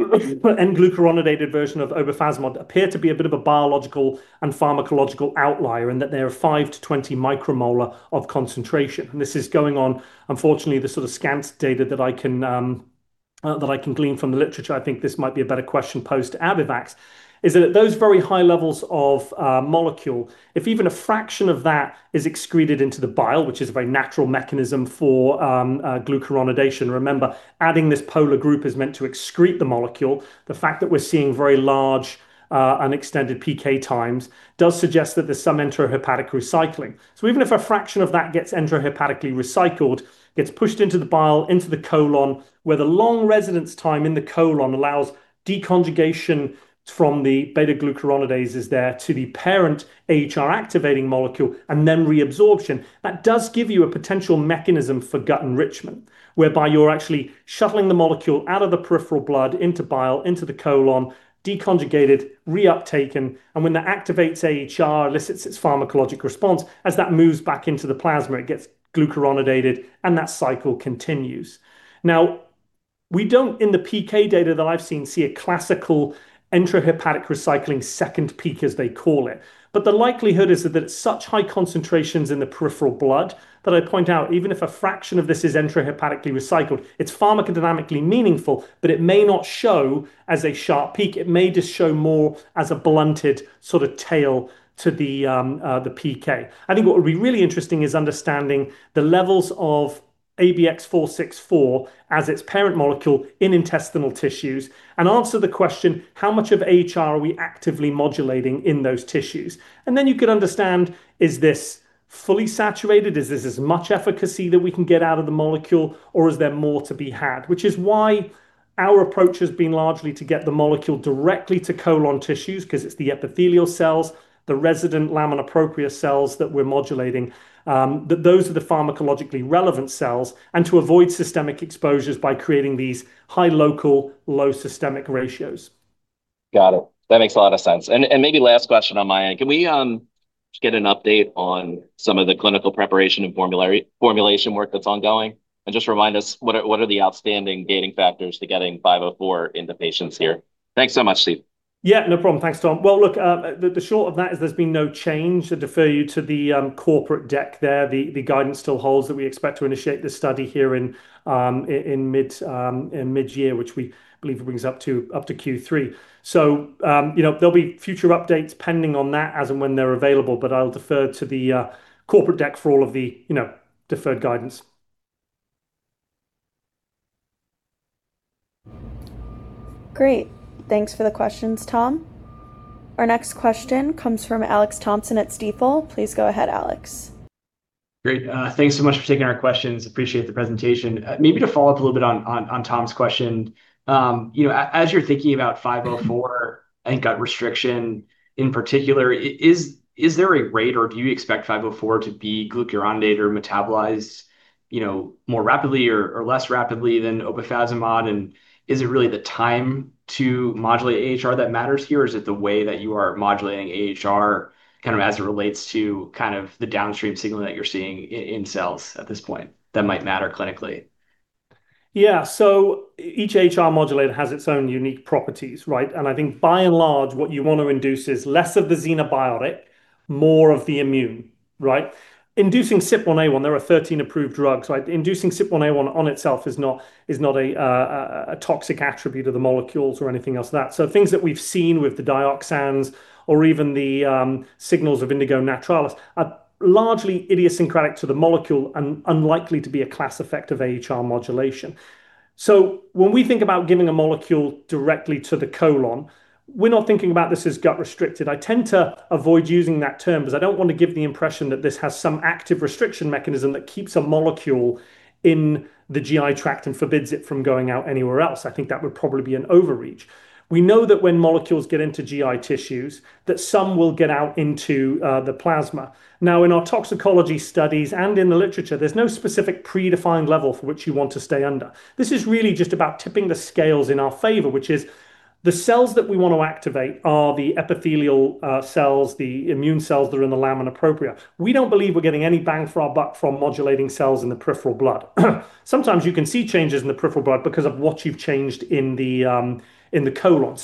S2: N-glucuronidated version of obefazimod appear to be a bit of a biological and pharmacological outlier, and that they are five to 20 micromolar of concentration. This is going on, unfortunately, the sort of scant data that I can glean from the literature, I think this might be a better question posed to Abivax, is that at those very high levels of molecule, if even a fraction of that is excreted into the bile, which is a very natural mechanism for glucuronidation. Remember, adding this polar group is meant to excrete the molecule. The fact that we're seeing very large and extended PK times does suggest that there's some enterohepatic recycling. Even if a fraction of that gets enterohepatically recycled, gets pushed into the bile, into the colon, where the long residence time in the colon allows deconjugation from the beta-glucuronidases there to the parent AhR activating molecule, and then reabsorption. That does give you a potential mechanism for gut enrichment, whereby you're actually shuttling the molecule out of the peripheral blood, into bile, into the colon, deconjugated, reuptaken, and when that activates AhR, elicits its pharmacologic response. As that moves back into the plasma, it gets glucuronidated, and that cycle continues. We don't, in the PK data that I've seen, see a classical enterohepatic recycling second peak as they call it. The likelihood is that it's such high concentrations in the peripheral blood that I point out, even if a fraction of this is enterohepatically recycled, it's pharmacodynamically meaningful, but it may not show as a sharp peak. It may just show more as a blunted sort of tail to the PK. I think what would be really interesting is understanding the levels of ABX464 as its parent molecule in intestinal tissues and answer the question, how much of AhR are we actively modulating in those tissues? You could understand, is this fully saturated? Is this as much efficacy that we can get out of the molecule, or is there more to be had? Which is why our approach has been largely to get the molecule directly to colon tissues because it's the epithelial cells, the resident lamina propria cells that we're modulating, that those are the pharmacologically relevant cells, and to avoid systemic exposures by creating these high local, low systemic ratios.
S4: Got it. That makes a lot of sense. Maybe last question on my end. Can we get an update on some of the clinical preparation and formulation work that's ongoing? Just remind us, what are the outstanding gating factors to getting 504 into patients here? Thanks so much, Steve.
S2: Yeah, no problem. Thanks, Tom. Well, look, the short of that is there's been no change. I defer you to the corporate deck there. The guidance still holds that we expect to initiate this study here in mid-year, which we believe brings up to Q3. There'll be future updates pending on that as and when they're available, but I'll defer to the corporate deck for all of the deferred guidance.
S1: Great. Thanks for the questions, Tom. Our next question comes from Alex Thompson at Stifel. Please go ahead, Alex.
S5: Great. Thanks so much for taking our questions. Appreciate the presentation. To follow up a little on Tom's question. As you're thinking about 504 and gut restriction in particular, is there a rate or do you expect 504 to be glucuronidate or metabolized more rapidly or less rapidly than obefazimod? Is it really the time to modulate AhR that matters here, or is it the way that you are modulating AhR as it relates to the downstream signal that you're seeing in cells at this point that might matter clinically?
S2: Yeah. Each AhR modulator has its own unique properties, right? I think by and large, what you want to induce is less of the xenobiotic, more of the immune. Inducing CYP1A1, there are 13 approved drugs. Inducing CYP1A1 on itself is not a toxic attribute of the molecules or anything else that. Things that we've seen with the dioxins or even the signals of indigo naturalis are largely idiosyncratic to the molecule and unlikely to be a class effect of AhR modulation. When we think about giving a molecule directly to the colon, we're not thinking about this as gut restricted. I tend to avoid using that term because I don't want to give the impression that this has some active restriction mechanism that keeps a molecule in the GI tract and forbids it from going out anywhere else. I think that would probably be an overreach. We know that when molecules get into GI tissues, that some will get out into the plasma. In our toxicology studies and in the literature, there's no specific predefined level for which you want to stay under. This is really just about tipping the scales in our favor, which is the cells that we want to activate are the epithelial cells, the immune cells that are in the lamina propria. We don't believe we're getting any bang for our buck from modulating cells in the peripheral blood. Sometimes you can see changes in the peripheral blood because of what you've changed in the colon.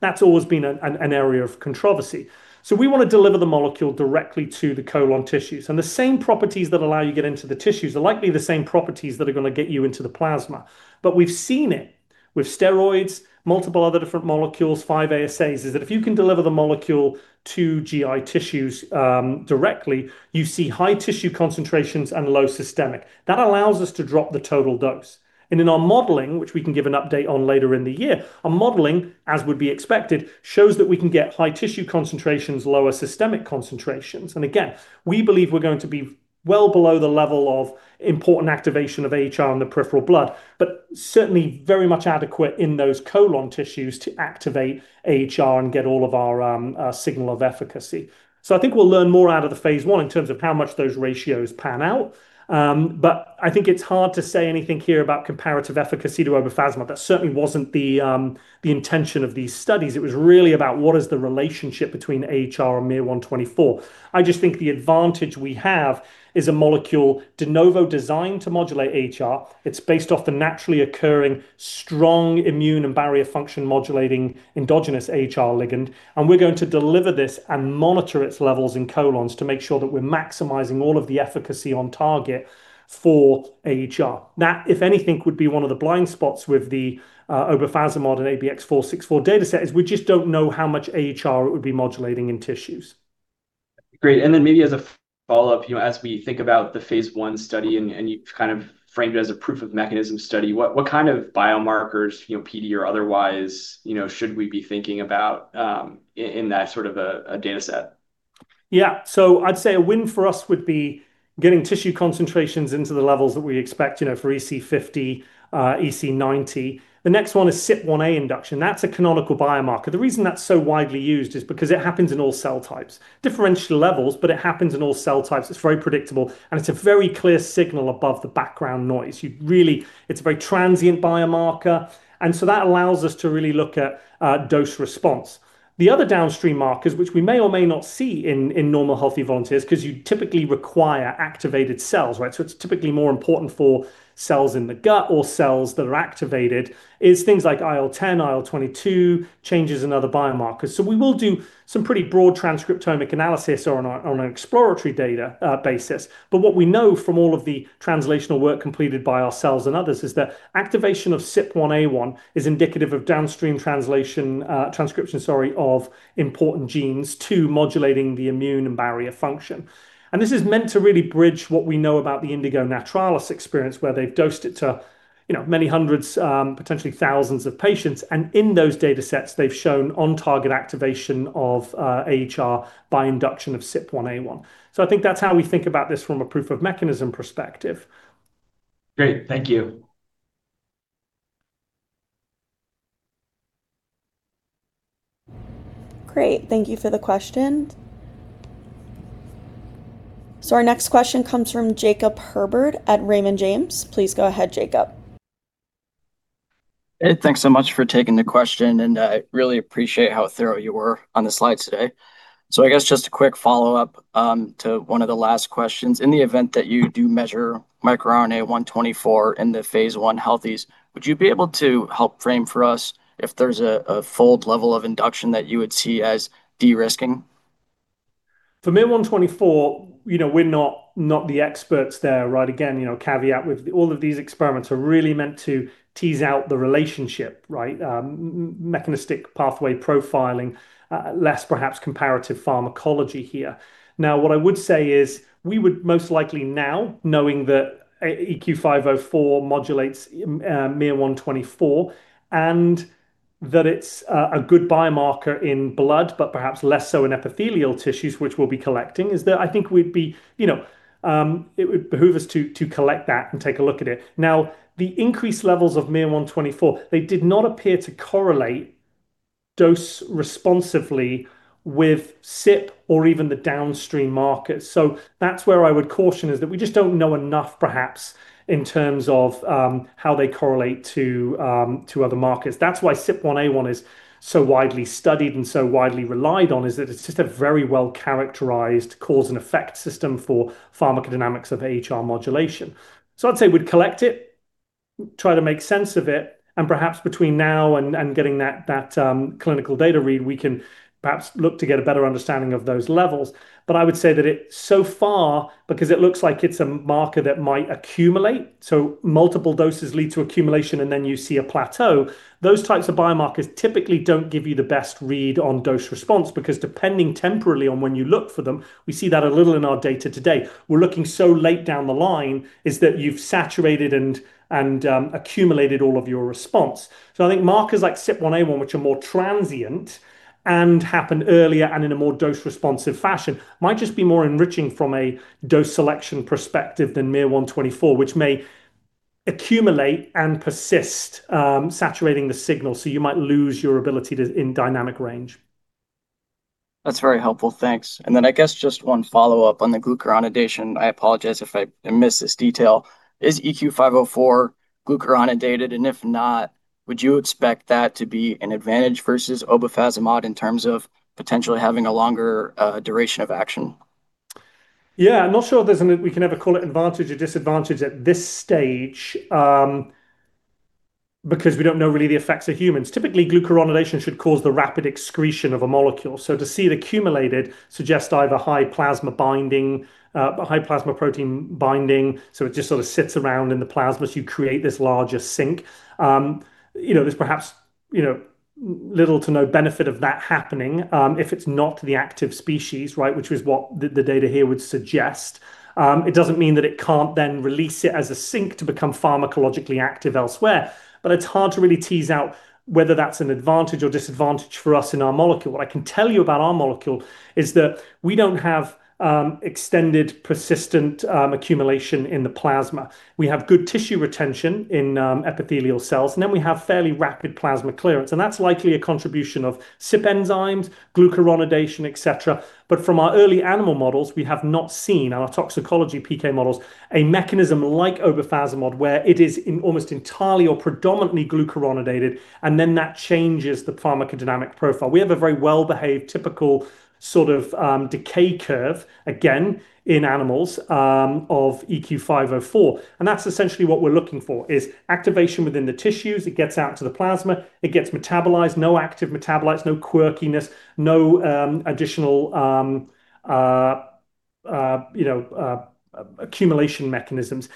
S2: That's always been an area of controversy. We want to deliver the molecule directly to the colon tissues. The same properties that allow you get into the tissues are likely the same properties that are going to get you into the plasma. We've seen it with steroids, multiple other different molecules, 5-ASAs, is that if you can deliver the molecule to GI tissues directly, you see high tissue concentrations and low systemic. That allows us to drop the total dose. In our modeling, which we can give an update on later in the year, our modeling, as would be expected, shows that we can get high tissue concentrations, lower systemic concentrations. Again, we believe we're going to be well below the level of important activation of AhR in the peripheral blood. Certainly, very much adequate in those colon tissues to activate AhR and get all of our signal of efficacy. I think we'll learn more out of the phase I in terms of how much those ratios pan out. I think it's hard to say anything here about comparative efficacy to obefazimod. That certainly wasn't the intention of these studies. It was really about what is the relationship between AhR and miR-124. I just think the advantage we have is a molecule de novo designed to modulate AhR. It's based off the naturally occurring strong immune and barrier function modulating endogenous AhR ligand, and we're going to deliver this and monitor its levels in colons to make sure that we're maximizing all of the efficacy on target for AhR. That, if anything, would be one of the blind spots with the obefazimod and ABX464 dataset is we just don't know how much AhR it would be modulating in tissues.
S5: Great. Maybe as a follow-up, as we think about the phase I study and you've kind of framed it as a proof of mechanism study, what kind of biomarkers, PD or otherwise, should we be thinking about in that sort of a dataset?
S2: I'd say a win for us would be getting tissue concentrations into the levels that we expect for EC50, EC90. The next one is CYP1A induction. That's a canonical biomarker. The reason that's so widely used is because it happens in all cell types. Differential levels, but it happens in all cell types. It's very predictable, and it's a very clear signal above the background noise. It's a very transient biomarker. That allows us to really look at dose response. The other downstream markers, which we may or may not see in normal healthy volunteers, because you typically require activated cells, right? It's typically more important for cells in the gut or cells that are activated, is things like IL-10, IL-22, changes in other biomarkers. We will do some pretty broad transcriptomic analysis on an exploratory data basis. What we know from all of the translational work completed by ourselves and others is that activation of CYP1A1 is indicative of downstream transcription of important genes to modulating the immune and barrier function. This is meant to really bridge what we know about the indigo naturalis experience, where they've dosed it to many hundreds, potentially thousands of patients. In those datasets, they've shown on-target activation of AhR by induction of CYP1A1. I think that's how we think about this from a proof of mechanism perspective.
S5: Great. Thank you.
S1: Great. Thank you for the question. Our next question comes from [Jacob Ferberg] at Raymond James. Please go ahead, [Jacob].
S6: Thanks so much for taking the question. I really appreciate how thorough you were on the slides today. I guess just a quick follow-up to one of the last questions. In the event that you do measure microRNA-124 in the phase I healthies, would you be able to help frame for us if there's a fold level of induction that you would see as de-risking?
S2: For miR-124, we're not the experts there. The caveat with all of these experiments are really meant to tease out the relationship. Mechanistic pathway profiling, less perhaps comparative pharmacology here. What I would say is we would most likely now, knowing that EQ504 modulates miR-124 and that it's a good biomarker in blood, but perhaps less so in epithelial tissues, which we'll be collecting, is that I think it would behoove us to collect that and take a look at it. The increased levels of miR-124, they did not appear to correlate dose responsively with CYP or even the downstream markers. That's where I would caution is that we just don't know enough, perhaps, in terms of how they correlate to other markers. That's why CYP1A1 is so widely studied and so widely relied on, is that it's just a very well-characterized cause-and-effect system for pharmacodynamics of AhR modulation. I'd say we'd collect it, try to make sense of it, and perhaps between now and getting that clinical data read, we can perhaps look to get a better understanding of those levels. I would say that it so far, because it looks like it's a marker that might accumulate, so multiple doses lead to accumulation, and then you see a plateau. Those types of biomarkers typically don't give you the best read on dose response, because depending temporally on when you look for them, we see that a little in our data today. We're looking so late down the line is that you've saturated and accumulated all of your response. I think markers like CYP1A1, which are more transient and happened earlier and in a more dose-responsive fashion, might just be more enriching from a dose selection perspective than miR-124, which may accumulate and persist, saturating the signal, so you might lose your ability in dynamic range.
S6: That's very helpful. Thanks. I guess just one follow-up on the glucuronidation. I apologize if I missed this detail. Is EQ504 glucuronidated? If not, would you expect that to be an advantage versus obefazimod in terms of potentially having a longer duration of action?
S2: I'm not sure we can ever call it advantage or disadvantage at this stage, because we don't know really the effects of humans. Typically, glucuronidation should cause the rapid excretion of a molecule. To see it accumulated suggests either high plasma binding, high plasma protein binding, so it just sort of sits around in the plasma, so you create this larger sink. There's perhaps little to no benefit of that happening, if it's not the active species, which is what the data here would suggest. It doesn't mean that it can't then release it as a sink to become pharmacologically active elsewhere. It's hard to really tease out whether that's an advantage or disadvantage for us in our molecule. What I can tell you about our molecule is that we don't have extended persistent accumulation in the plasma. We have good tissue retention in epithelial cells. Then we have fairly rapid plasma clearance. That's likely a contribution of CYP enzymes, glucuronidation, et cetera. From our early animal models, we have not seen, in our toxicology PK models, a mechanism like obefazimod, where it is almost entirely or predominantly glucuronidated. Then that changes the pharmacodynamic profile. We have a very well-behaved, typical sort of decay curve, again, in animals, of EQ504. That's essentially what we're looking for, is activation within the tissues. It gets out to the plasma. It gets metabolized. No active metabolites, no quirkiness, no additional accumulation mechanisms.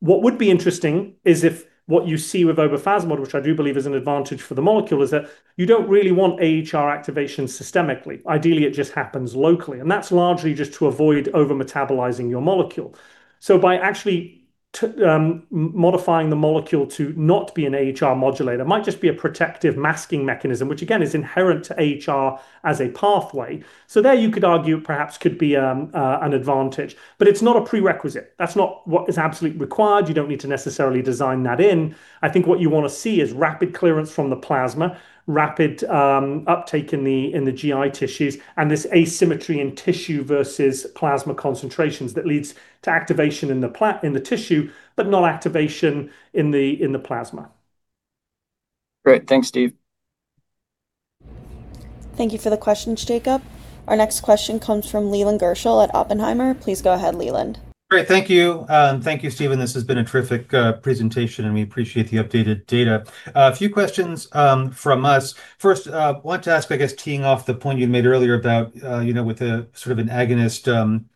S2: What would be interesting is if what you see with obefazimod, which I do believe is an advantage for the molecule, is that you don't really want AhR activation systemically. Ideally, it just happens locally. That's largely just to avoid over-metabolizing your molecule. By actually modifying the molecule to not be an AhR modulator, might just be a protective masking mechanism, which again is inherent to AhR as a pathway. There you could argue perhaps could be an advantage, but it's not a prerequisite. That's not what is absolutely required. You don't need to necessarily design that in. I think what you want to see is rapid clearance from the plasma, rapid uptake in the GI tissues, and this asymmetry in tissue versus plasma concentrations that leads to activation in the tissue, but not activation in the plasma.
S6: Great. Thanks, Steve.
S1: Thank you for the questions, [Jacob]. Our next question comes from Leland Gershell at Oppenheimer. Please go ahead, Leland.
S7: Great. Thank you. Thank you, Stephen. This has been a terrific presentation, and we appreciate the updated data. First, wanted to ask, I guess teeing off the point you made earlier about with a sort of an agonist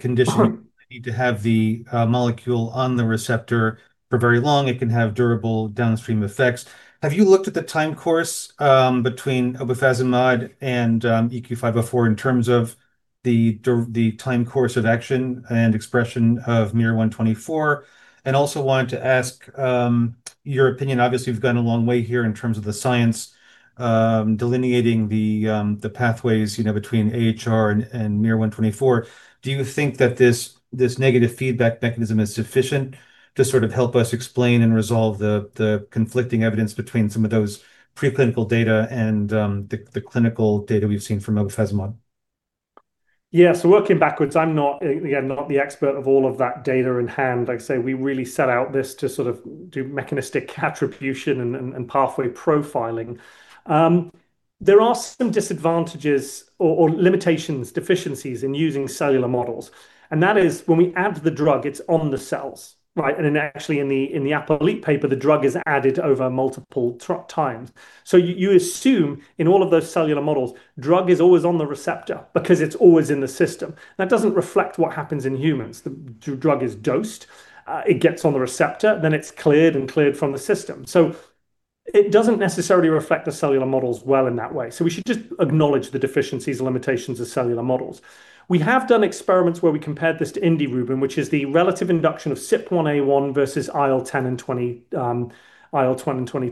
S7: conditioning, you need to have the molecule on the receptor for very long, it can have durable downstream effects. Have you looked at the time course between obefazimod and EQ504 in terms of the time course of action and expression of miR-124? Also wanted to ask your opinion, obviously, you've gone a long way here in terms of the science, delineating the pathways between AhR and miR-124. Do you think that this negative feedback mechanism is sufficient to sort of help us explain and resolve the conflicting evidence between some of those preclinical data and the clinical data we've seen from obefazimod?
S2: Yeah. Working backwards, I'm, again, not the expert of all of that data in hand. Like I say, we really set out this to sort of do mechanistic attribution and pathway profiling. There are some disadvantages or limitations, deficiencies in using cellular models. That is when we add the drug, it's on the cells, right? Actually in the Apolit paper, the drug is added over multiple times. You assume in all of those cellular models, drug is always on the receptor because it's always in the system. That doesn't reflect what happens in humans. The drug is dosed, it gets on the receptor, then it's cleared and cleared from the system. It doesn't necessarily reflect the cellular models well in that way. We should just acknowledge the deficiencies and limitations of cellular models. We have done experiments where we compared this to indirubin, which is the relative induction of CYP1A1 versus IL-10 and IL-20 and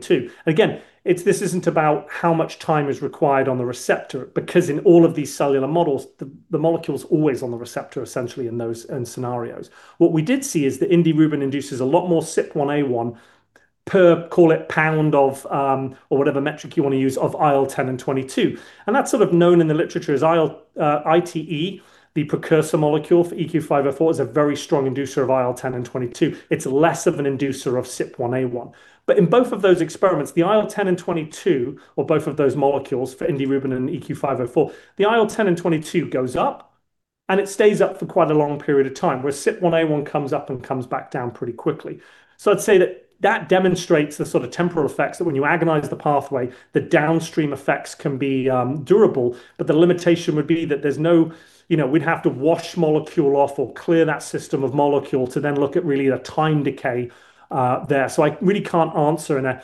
S2: IL-22. This isn't about how much time is required on the receptor, because in all of these cellular models, the molecule's always on the receptor, essentially, in those scenarios. What we did see is that indirubin induces a lot more CYP1A1 per call it pound of, or whatever metric you want to use, of IL-10 and 22. That's sort of known in the literature as ITE, the precursor molecule for EQ504, is a very strong inducer of IL-10 and IL-22. It's less of an inducer of CYP1A1. In both of those experiments, the IL-10 and IL-22, or both of those molecules for indirubin and EQ504, the IL-10 and IL-22 goes up, and it stays up for quite a long period of time. Whereas CYP1A1 comes up and comes back down pretty quickly. I'd say that demonstrates the sort of temporal effects that when you agonize the pathway, the downstream effects can be durable, but the limitation would be that we'd have to wash molecule off or clear that system of molecule to then look at really the time decay there. I really can't answer in a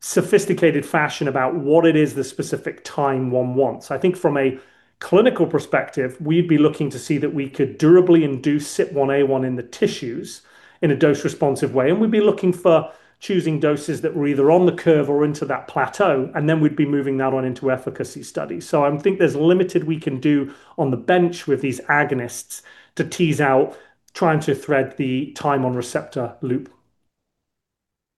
S2: sophisticated fashion about what it is the specific time one wants. I think from a clinical perspective, we'd be looking to see that we could durably induce CYP1A1 in the tissues in a dose-responsive way, and we'd be looking for choosing doses that were either on the curve or into that plateau, and then we'd be moving that on into efficacy studies. I think there's limited we can do on the bench with these agonists to tease out trying to thread the time on receptor loop.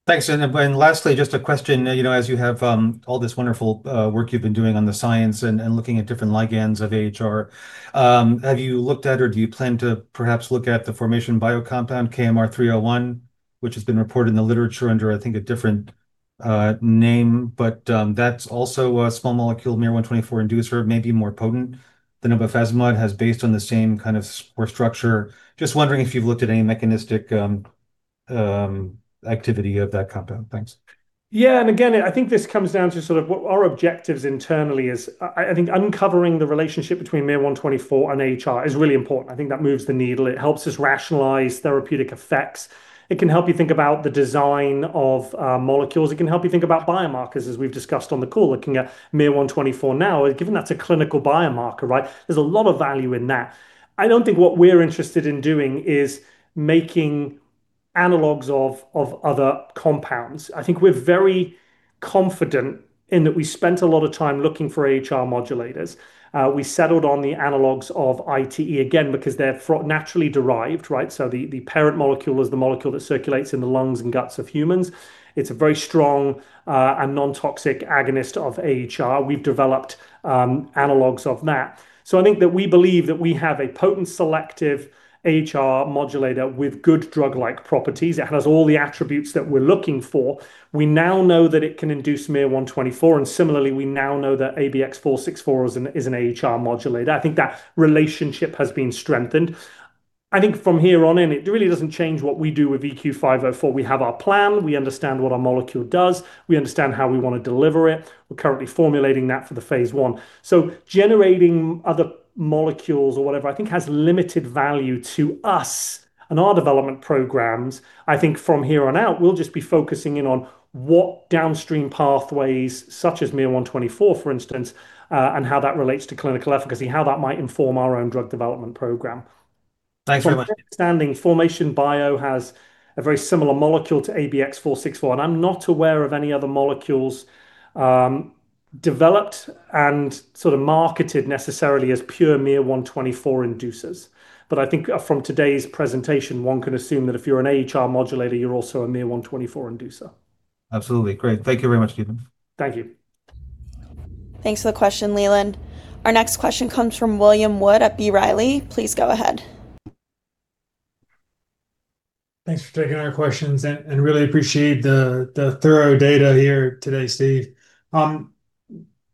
S7: Thanks. Lastly, just a question. As you have all this wonderful work you've been doing on the science and looking at different ligands of AhR, have you looked at or do you plan to perhaps look at the Formation Bio compound KMR301, which has been reported in the literature under, I think, a different name, but that is also a small molecule miR-124 inducer. It may be more potent than obefazimod has based on the same kind of square structure. Just wondering if you have looked at any mechanistic activity of that compound. Thanks.
S2: Yeah. Again, I think this comes down to sort of what our objectives internally is. I think uncovering the relationship between miR-124 and AhR is really important. I think that moves the needle. It helps us rationalize therapeutic effects. It can help you think about the design of molecules. It can help you think about biomarkers, as we've discussed on the call, looking at miR-124 now. Given that's a clinical biomarker, right, there's a lot of value in that. I don't think what we're interested in doing is making analogs of other compounds. I think we're very confident in that we spent a lot of time looking for AhR modulators. We settled on the analogs of ITE, again, because they're naturally derived, right? The parent molecule is the molecule that circulates in the lungs and guts of humans. It's a very strong and non-toxic agonist of AhR. We've developed analogs of that. I think that we believe that we have a potent selective AhR modulator with good drug-like properties. It has all the attributes that we're looking for. We now know that it can induce miR-124, and similarly, we now know that ABX464 is an AhR modulator. I think that relationship has been strengthened. I think from here on in, it really doesn't change what we do with EQ504. We have our plan. We understand what our molecule does. We understand how we want to deliver it. We're currently formulating that for the phase I. Generating other molecules or whatever, I think has limited value to us and our development programs. I think from here on out, we'll just be focusing in on what downstream pathways, such as miR-124, for instance, and how that relates to clinical efficacy, how that might inform our own drug development program.
S7: Thanks very much.
S2: From my understanding, Formation Bio has a very similar molecule to ABX464, and I'm not aware of any other molecules developed and sort of marketed necessarily as pure miR-124 inducers. I think from today's presentation, one can assume that if you're an AhR modulator, you're also a miR-124 inducer.
S7: Absolutely. Great. Thank you very much, Stephen.
S2: Thank you.
S1: Thanks for the question, Leland. Our next question comes from William Wood at B. Riley. Please go ahead.
S8: Thanks for taking our questions, really appreciate the thorough data here today, Steve.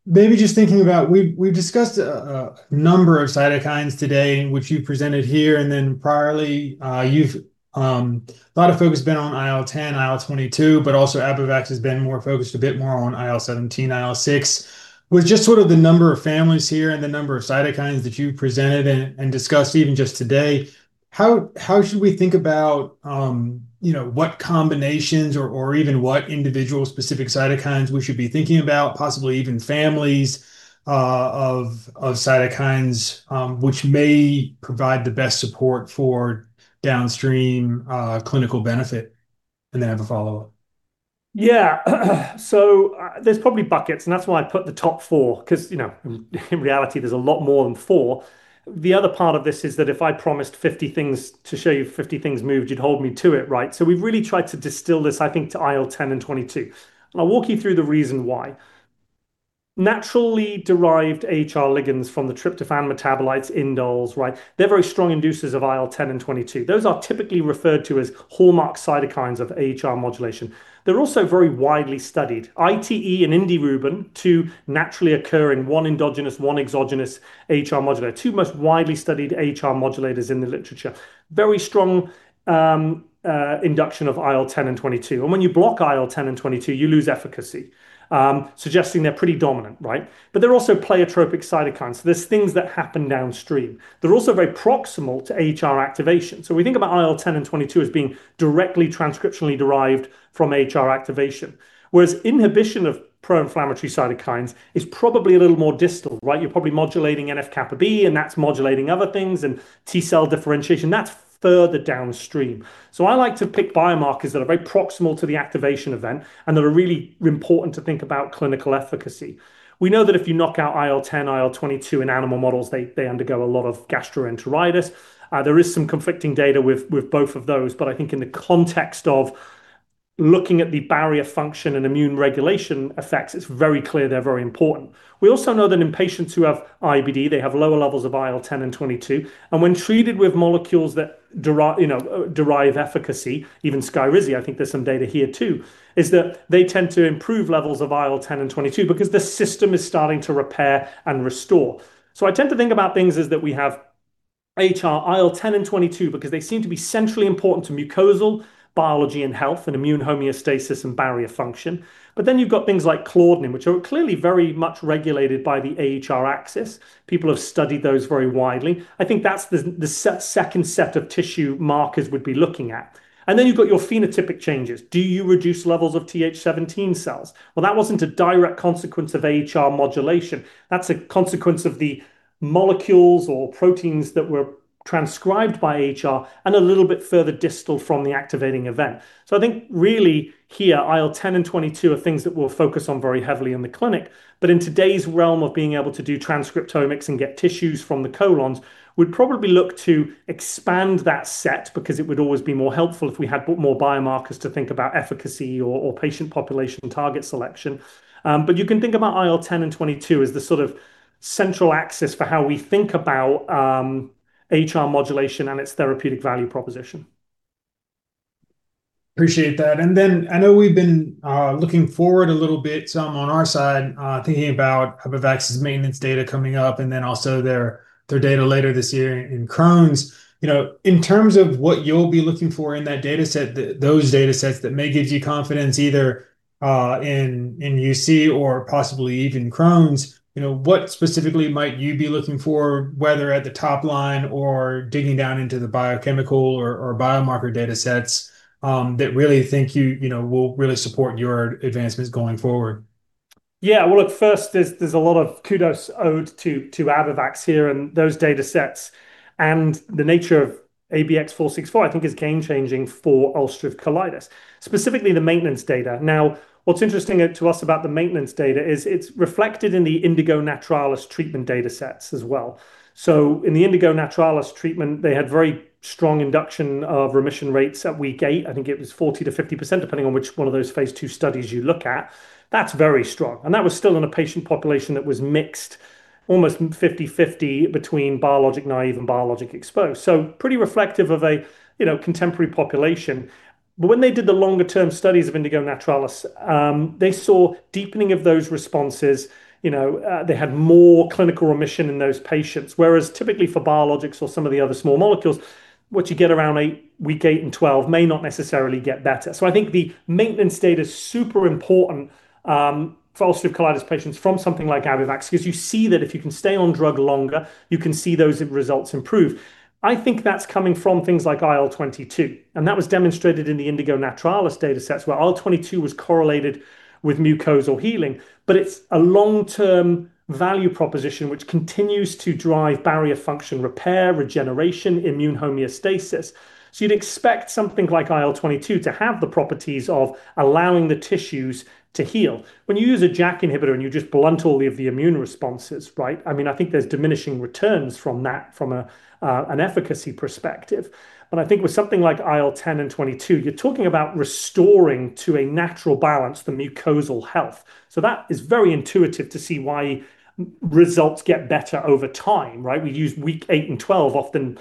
S8: Maybe just thinking about, we've discussed a number of cytokines today, which you presented here, priorly, a lot of focus been on IL-10, IL-22, but also Abivax has been more focused a bit more on IL-17, IL-6. With just sort of the number of families here and the number of cytokines that you presented and discussed even just today, how should we think about what combinations or even what individual specific cytokines we should be thinking about, possibly even families of cytokines, which may provide the best support for downstream clinical benefit? I have a follow-up.
S2: Yeah. There's probably buckets, and that's why I put the top four, because in reality, there's a lot more than four. The other part of this is that if I promised 50 things to show you if 50 things moved, you'd hold me to it, right? We've really tried to distill this, I think, to IL-10 and IL-22, and I'll walk you through the reason why. Naturally derived AhR ligands from the tryptophan metabolites indoles, right? They're very strong inducers of IL-10 and IL-22. Those are typically referred to as hallmark cytokines of AhR modulation. They're also very widely studied. ITE and indirubin, two naturally occurring, one endogenous, one exogenous AhR modulator. Two most widely studied AhR modulators in the literature. Very strong induction of IL-10 and IL-22. When you block IL-10 and IL-22, you lose efficacy, suggesting they're pretty dominant, right? They're also pleiotropic cytokines. There's things that happen downstream. They're also very proximal to AhR activation. We think about IL-10 and IL-22 as being directly transcriptionally derived from AhR activation, whereas inhibition of pro-inflammatory cytokines is probably a little more distal, right? You're probably modulating NF-κB, and that's modulating other things, and T cell differentiation. That's further downstream. I like to pick biomarkers that are very proximal to the activation event and that are really important to think about clinical efficacy. We know that if you knock out IL-10, IL-22 in animal models, they undergo a lot of gastroenteritis. There is some conflicting data with both of those, but I think in the context of looking at the barrier function and immune regulation effects, it's very clear they're very important. We also know that in patients who have IBD, they have lower levels of IL-10 and IL-22, and when treated with molecules that derive efficacy, even Skyrizi, I think there's some data here, too, is that they tend to improve levels of IL-10 and IL-22 because the system is starting to repair and restore. I tend to think about things is that we have AhR, IL-10 and IL-22 because they seem to be centrally important to mucosal biology and health and immune homeostasis and barrier function. You've got things like claudin, which are clearly very much regulated by the AhR axis. People have studied those very widely. I think that's the second set of tissue markers we'd be looking at. You've got your phenotypic changes. Do you reduce levels of Th17 cells? Well, that wasn't a direct consequence of AhR modulation. That's a consequence of the molecules or proteins that were transcribed by AhR and a little bit further distal from the activating event. I think really here, IL-10 and IL-22 are things that we'll focus on very heavily in the clinic. In today's realm of being able to do transcriptomics and get tissues from the colons, we'd probably look to expand that set because it would always be more helpful if we had more biomarkers to think about efficacy or patient population target selection. You can think about IL-10 and IL-22 as the sort of central axis for how we think about AhR modulation and its therapeutic value proposition.
S8: Appreciate that. I know we've been looking forward a little bit, some on our side, thinking about Abivax's maintenance data coming up and then also their data later this year in Crohn's. In terms of what you'll be looking for in those data sets that may give you confidence either in UC or possibly even Crohn's, what specifically might you be looking for, whether at the top line or digging down into the biochemical or biomarker data sets, that will really support your advancements going forward?
S2: Well, look, first, there's a lot of kudos owed to Abivax here and those data sets. The nature of ABX464, I think is game changing for ulcerative colitis, specifically the maintenance data. What's interesting to us about the maintenance data is it's reflected in the indigo naturalis treatment data sets as well. In the indigo naturalis treatment, they had very strong induction of remission rates at week eight. I think it was 40%-50%, depending on which one of those phase II studies you look at. That's very strong. That was still in a patient population that was mixed almost 50/50 between biologic naive and biologic exposed. Pretty reflective of a contemporary population. When they did the longer term studies of indigo naturalis, they saw deepening of those responses. They had more clinical remission in those patients. Typically for biologics or some of the other small molecules, what you get around week eight and 12 may not necessarily get better. I think the maintenance data's super important for ulcerative colitis patients from something like Abivax, because you see that if you can stay on drug longer, you can see those results improve. I think that's coming from things like IL-22, and that was demonstrated in the indigo naturalis data sets, where IL-22 was correlated with mucosal healing. It's a long-term value proposition which continues to drive barrier function repair, regeneration, immune homeostasis. You'd expect something like IL-22 to have the properties of allowing the tissues to heal. When you use a JAK inhibitor, and you just blunt all of the immune responses, right? I think there's diminishing returns from that from an efficacy perspective. I think with something like IL-10 and IL-22, you're talking about restoring to a natural balance the mucosal health. That is very intuitive to see why results get better over time, right? We use week eight and 12 often,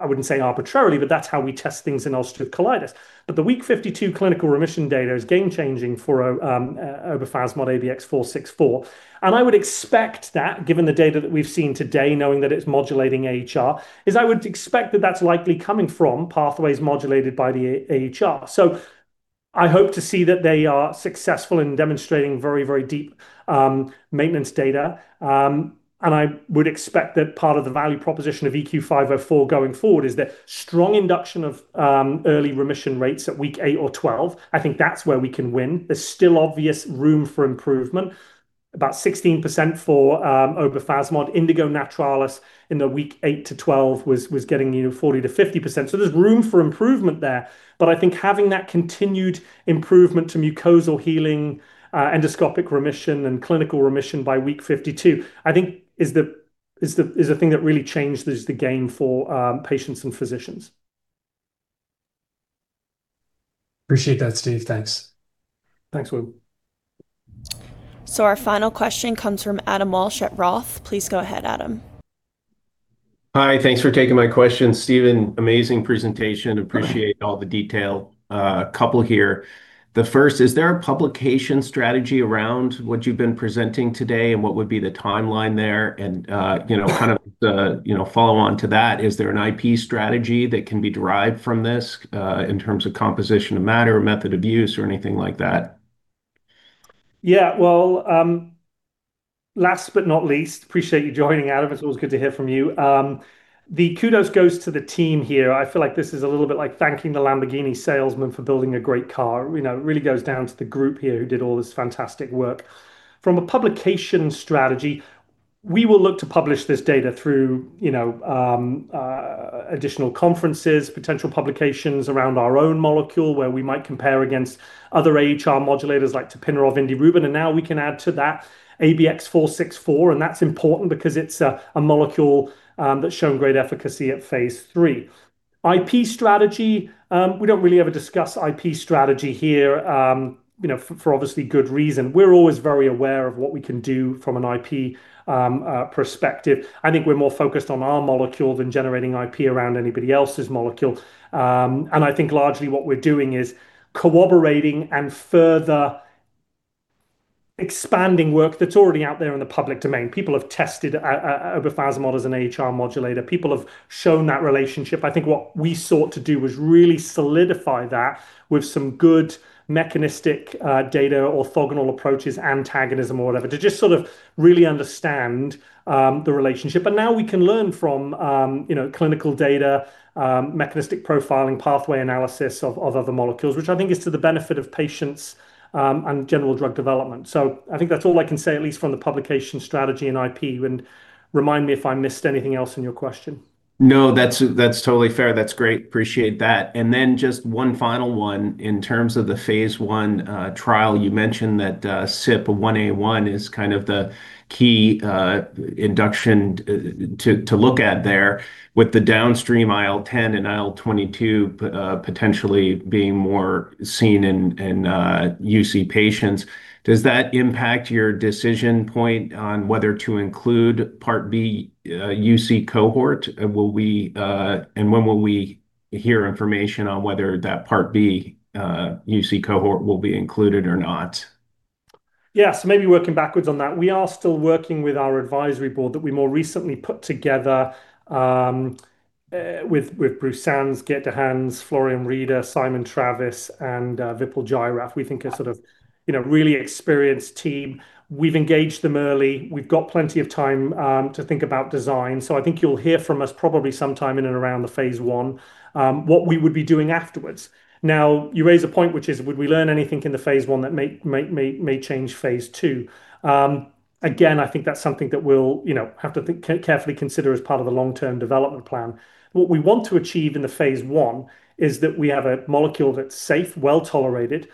S2: I wouldn't say arbitrarily, but that's how we test things in ulcerative colitis. The week 52 clinical remission data is game changing for obefazimod ABX464. I would expect that, given the data that we've seen today, knowing that it's modulating AhR, is I would expect that that's likely coming from pathways modulated by the AhR. I hope to see that they are successful in demonstrating very, very deep maintenance data. I would expect that part of the value proposition of EQ504 going forward is that strong induction of early remission rates at week eight or 12, I think that's where we can win. There's still obvious room for improvement. About 16% for obefazimod. Indigo naturalis in the week 8-12 was getting 40%-50%. There's room for improvement there. I think having that continued improvement to mucosal healing, endoscopic remission, and clinical remission by week 52, I think is the thing that really changes the game for patients and physicians.
S8: Appreciate that, Steve. Thanks.
S2: Thanks, Will.
S1: Our final question comes from Adam Walsh at Roth. Please go ahead, Adam.
S9: Hi. Thanks for taking my question. Stephen, amazing presentation. Appreciate all the detail. Couple here. The first, is there a publication strategy around what you've been presenting today, and what would be the timeline there? Follow on to that, is there an IP strategy that can be derived from this, in terms of composition of matter, method of use, or anything like that?
S2: Yeah. Well, last but not least, appreciate you joining, Adam. It's always good to hear from you. The kudos goes to the team here. I feel like this is a little bit like thanking the Lamborghini salesman for building a great car. It really goes down to the group here who did all this fantastic work. From a publication strategy, we will look to publish this data through additional conferences, potential publications around our own molecule, where we might compare against other AhR modulators like tapinarof, indirubin, and now we can add to that ABX464, and that's important because it's a molecule that's shown great efficacy at phase III. IP strategy. We don't really ever discuss IP strategy here, for obviously good reason. We're always very aware of what we can do from an IP perspective. I think we're more focused on our molecule than generating IP around anybody else's molecule. I think largely what we're doing is corroborating and further expanding work that's already out there in the public domain. People have tested obefazimod as an AhR modulator. People have shown that relationship. I think what we sought to do was really solidify that with some good mechanistic data, orthogonal approaches, antagonism or whatever, to just sort of really understand the relationship. Now we can learn from clinical data, mechanistic profiling, pathway analysis of other molecules, which I think is to the benefit of patients and general drug development. I think that's all I can say, at least from the publication strategy and IP. Remind me if I missed anything else in your question.
S9: No, that's totally fair. That's great. Appreciate that. Just one final one. In terms of the phase I trial, you mentioned that CYP1A1 is kind of the key induction to look at there with the downstream IL-10 and IL-22 potentially being more seen in UC patients. Does that impact your decision point on whether to include part B UC cohort? When will we hear information on whether that part B UC cohort will be included or not?
S2: Yes. Maybe working backwards on that. We are still working with our advisory board that we more recently put together with Bruce Sands, Geert D'Haens, Florian Rieder, Simon Travis, and Vipul Jairath. We think a sort of really experienced team. We've engaged them early. We've got plenty of time to think about design. I think you'll hear from us probably sometime in and around the phase I what we would be doing afterwards. You raise a point which is, would we learn anything in the phase I that may change phase II? I think that's something that we'll have to carefully consider as part of the long-term development plan. What we want to achieve in the phase I is that we have a molecule that's safe, well-tolerated,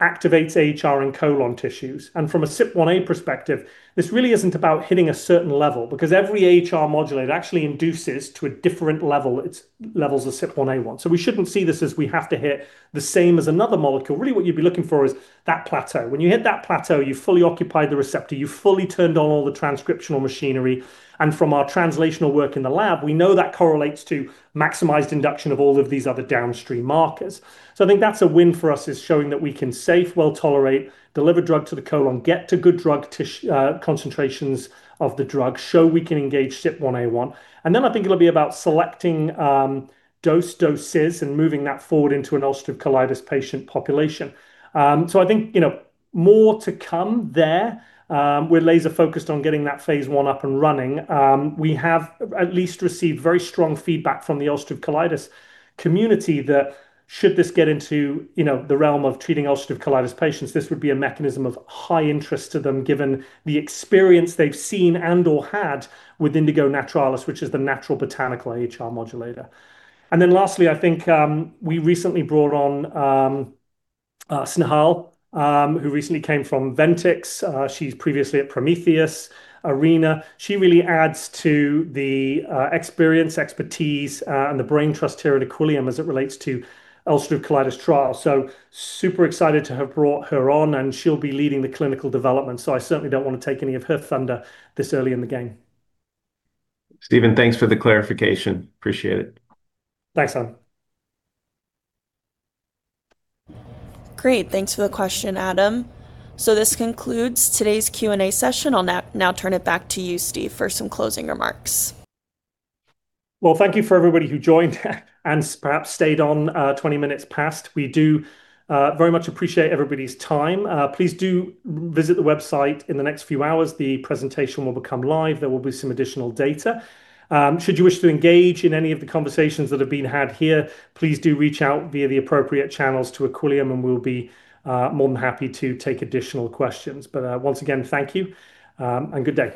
S2: activates AhR in colon tissues. From a CYP1A perspective, this really isn't about hitting a certain level, because every AhR modulator actually induces to a different level its levels of CYP1A1. We shouldn't see this as we have to hit the same as another molecule. Really what you'd be looking for is that plateau. When you hit that plateau, you've fully occupied the receptor, you've fully turned on all the transcriptional machinery. From our translational work in the lab, we know that correlates to maximized induction of all of these other downstream markers. I think that's a win for us, is showing that we can safe, well tolerate, deliver drug to the colon, get to good drug tissue concentrations of the drug, show we can engage CYP1A1. Then I think it'll be about selecting dose, doses, and moving that forward into an ulcerative colitis patient population. I think more to come there. We're laser-focused on getting that phase I up and running. We have at least received very strong feedback from the ulcerative colitis community that should this get into the realm of treating ulcerative colitis patients, this would be a mechanism of high interest to them given the experience they've seen and/or had with indigo naturalis, which is the natural botanical AhR modulator. Lastly, I think we recently brought on Snehal, who recently came from Ventyx, she's previously at Prometheus, Arena. She really adds to the experience, expertise, and the brain trust here at Equillium as it relates to ulcerative colitis trial. Super excited to have brought her on, and she'll be leading the clinical development. I certainly don't want to take any of her thunder this early in the game.
S9: Stephen, thanks for the clarification. Appreciate it.
S2: Thanks, Adam.
S1: Great. Thanks for the question, Adam. This concludes today's Q&A session. I'll now turn it back to you, Steve, for some closing remarks.
S2: Well, thank you for everybody who joined and perhaps stayed on 20 minutes past. We do very much appreciate everybody's time. Please do visit the website. In the next few hours, the presentation will become live. There will be some additional data. Should you wish to engage in any of the conversations that have been had here, please do reach out via the appropriate channels to Equillium, and we'll be more than happy to take additional questions. Once again, thank you, and good day.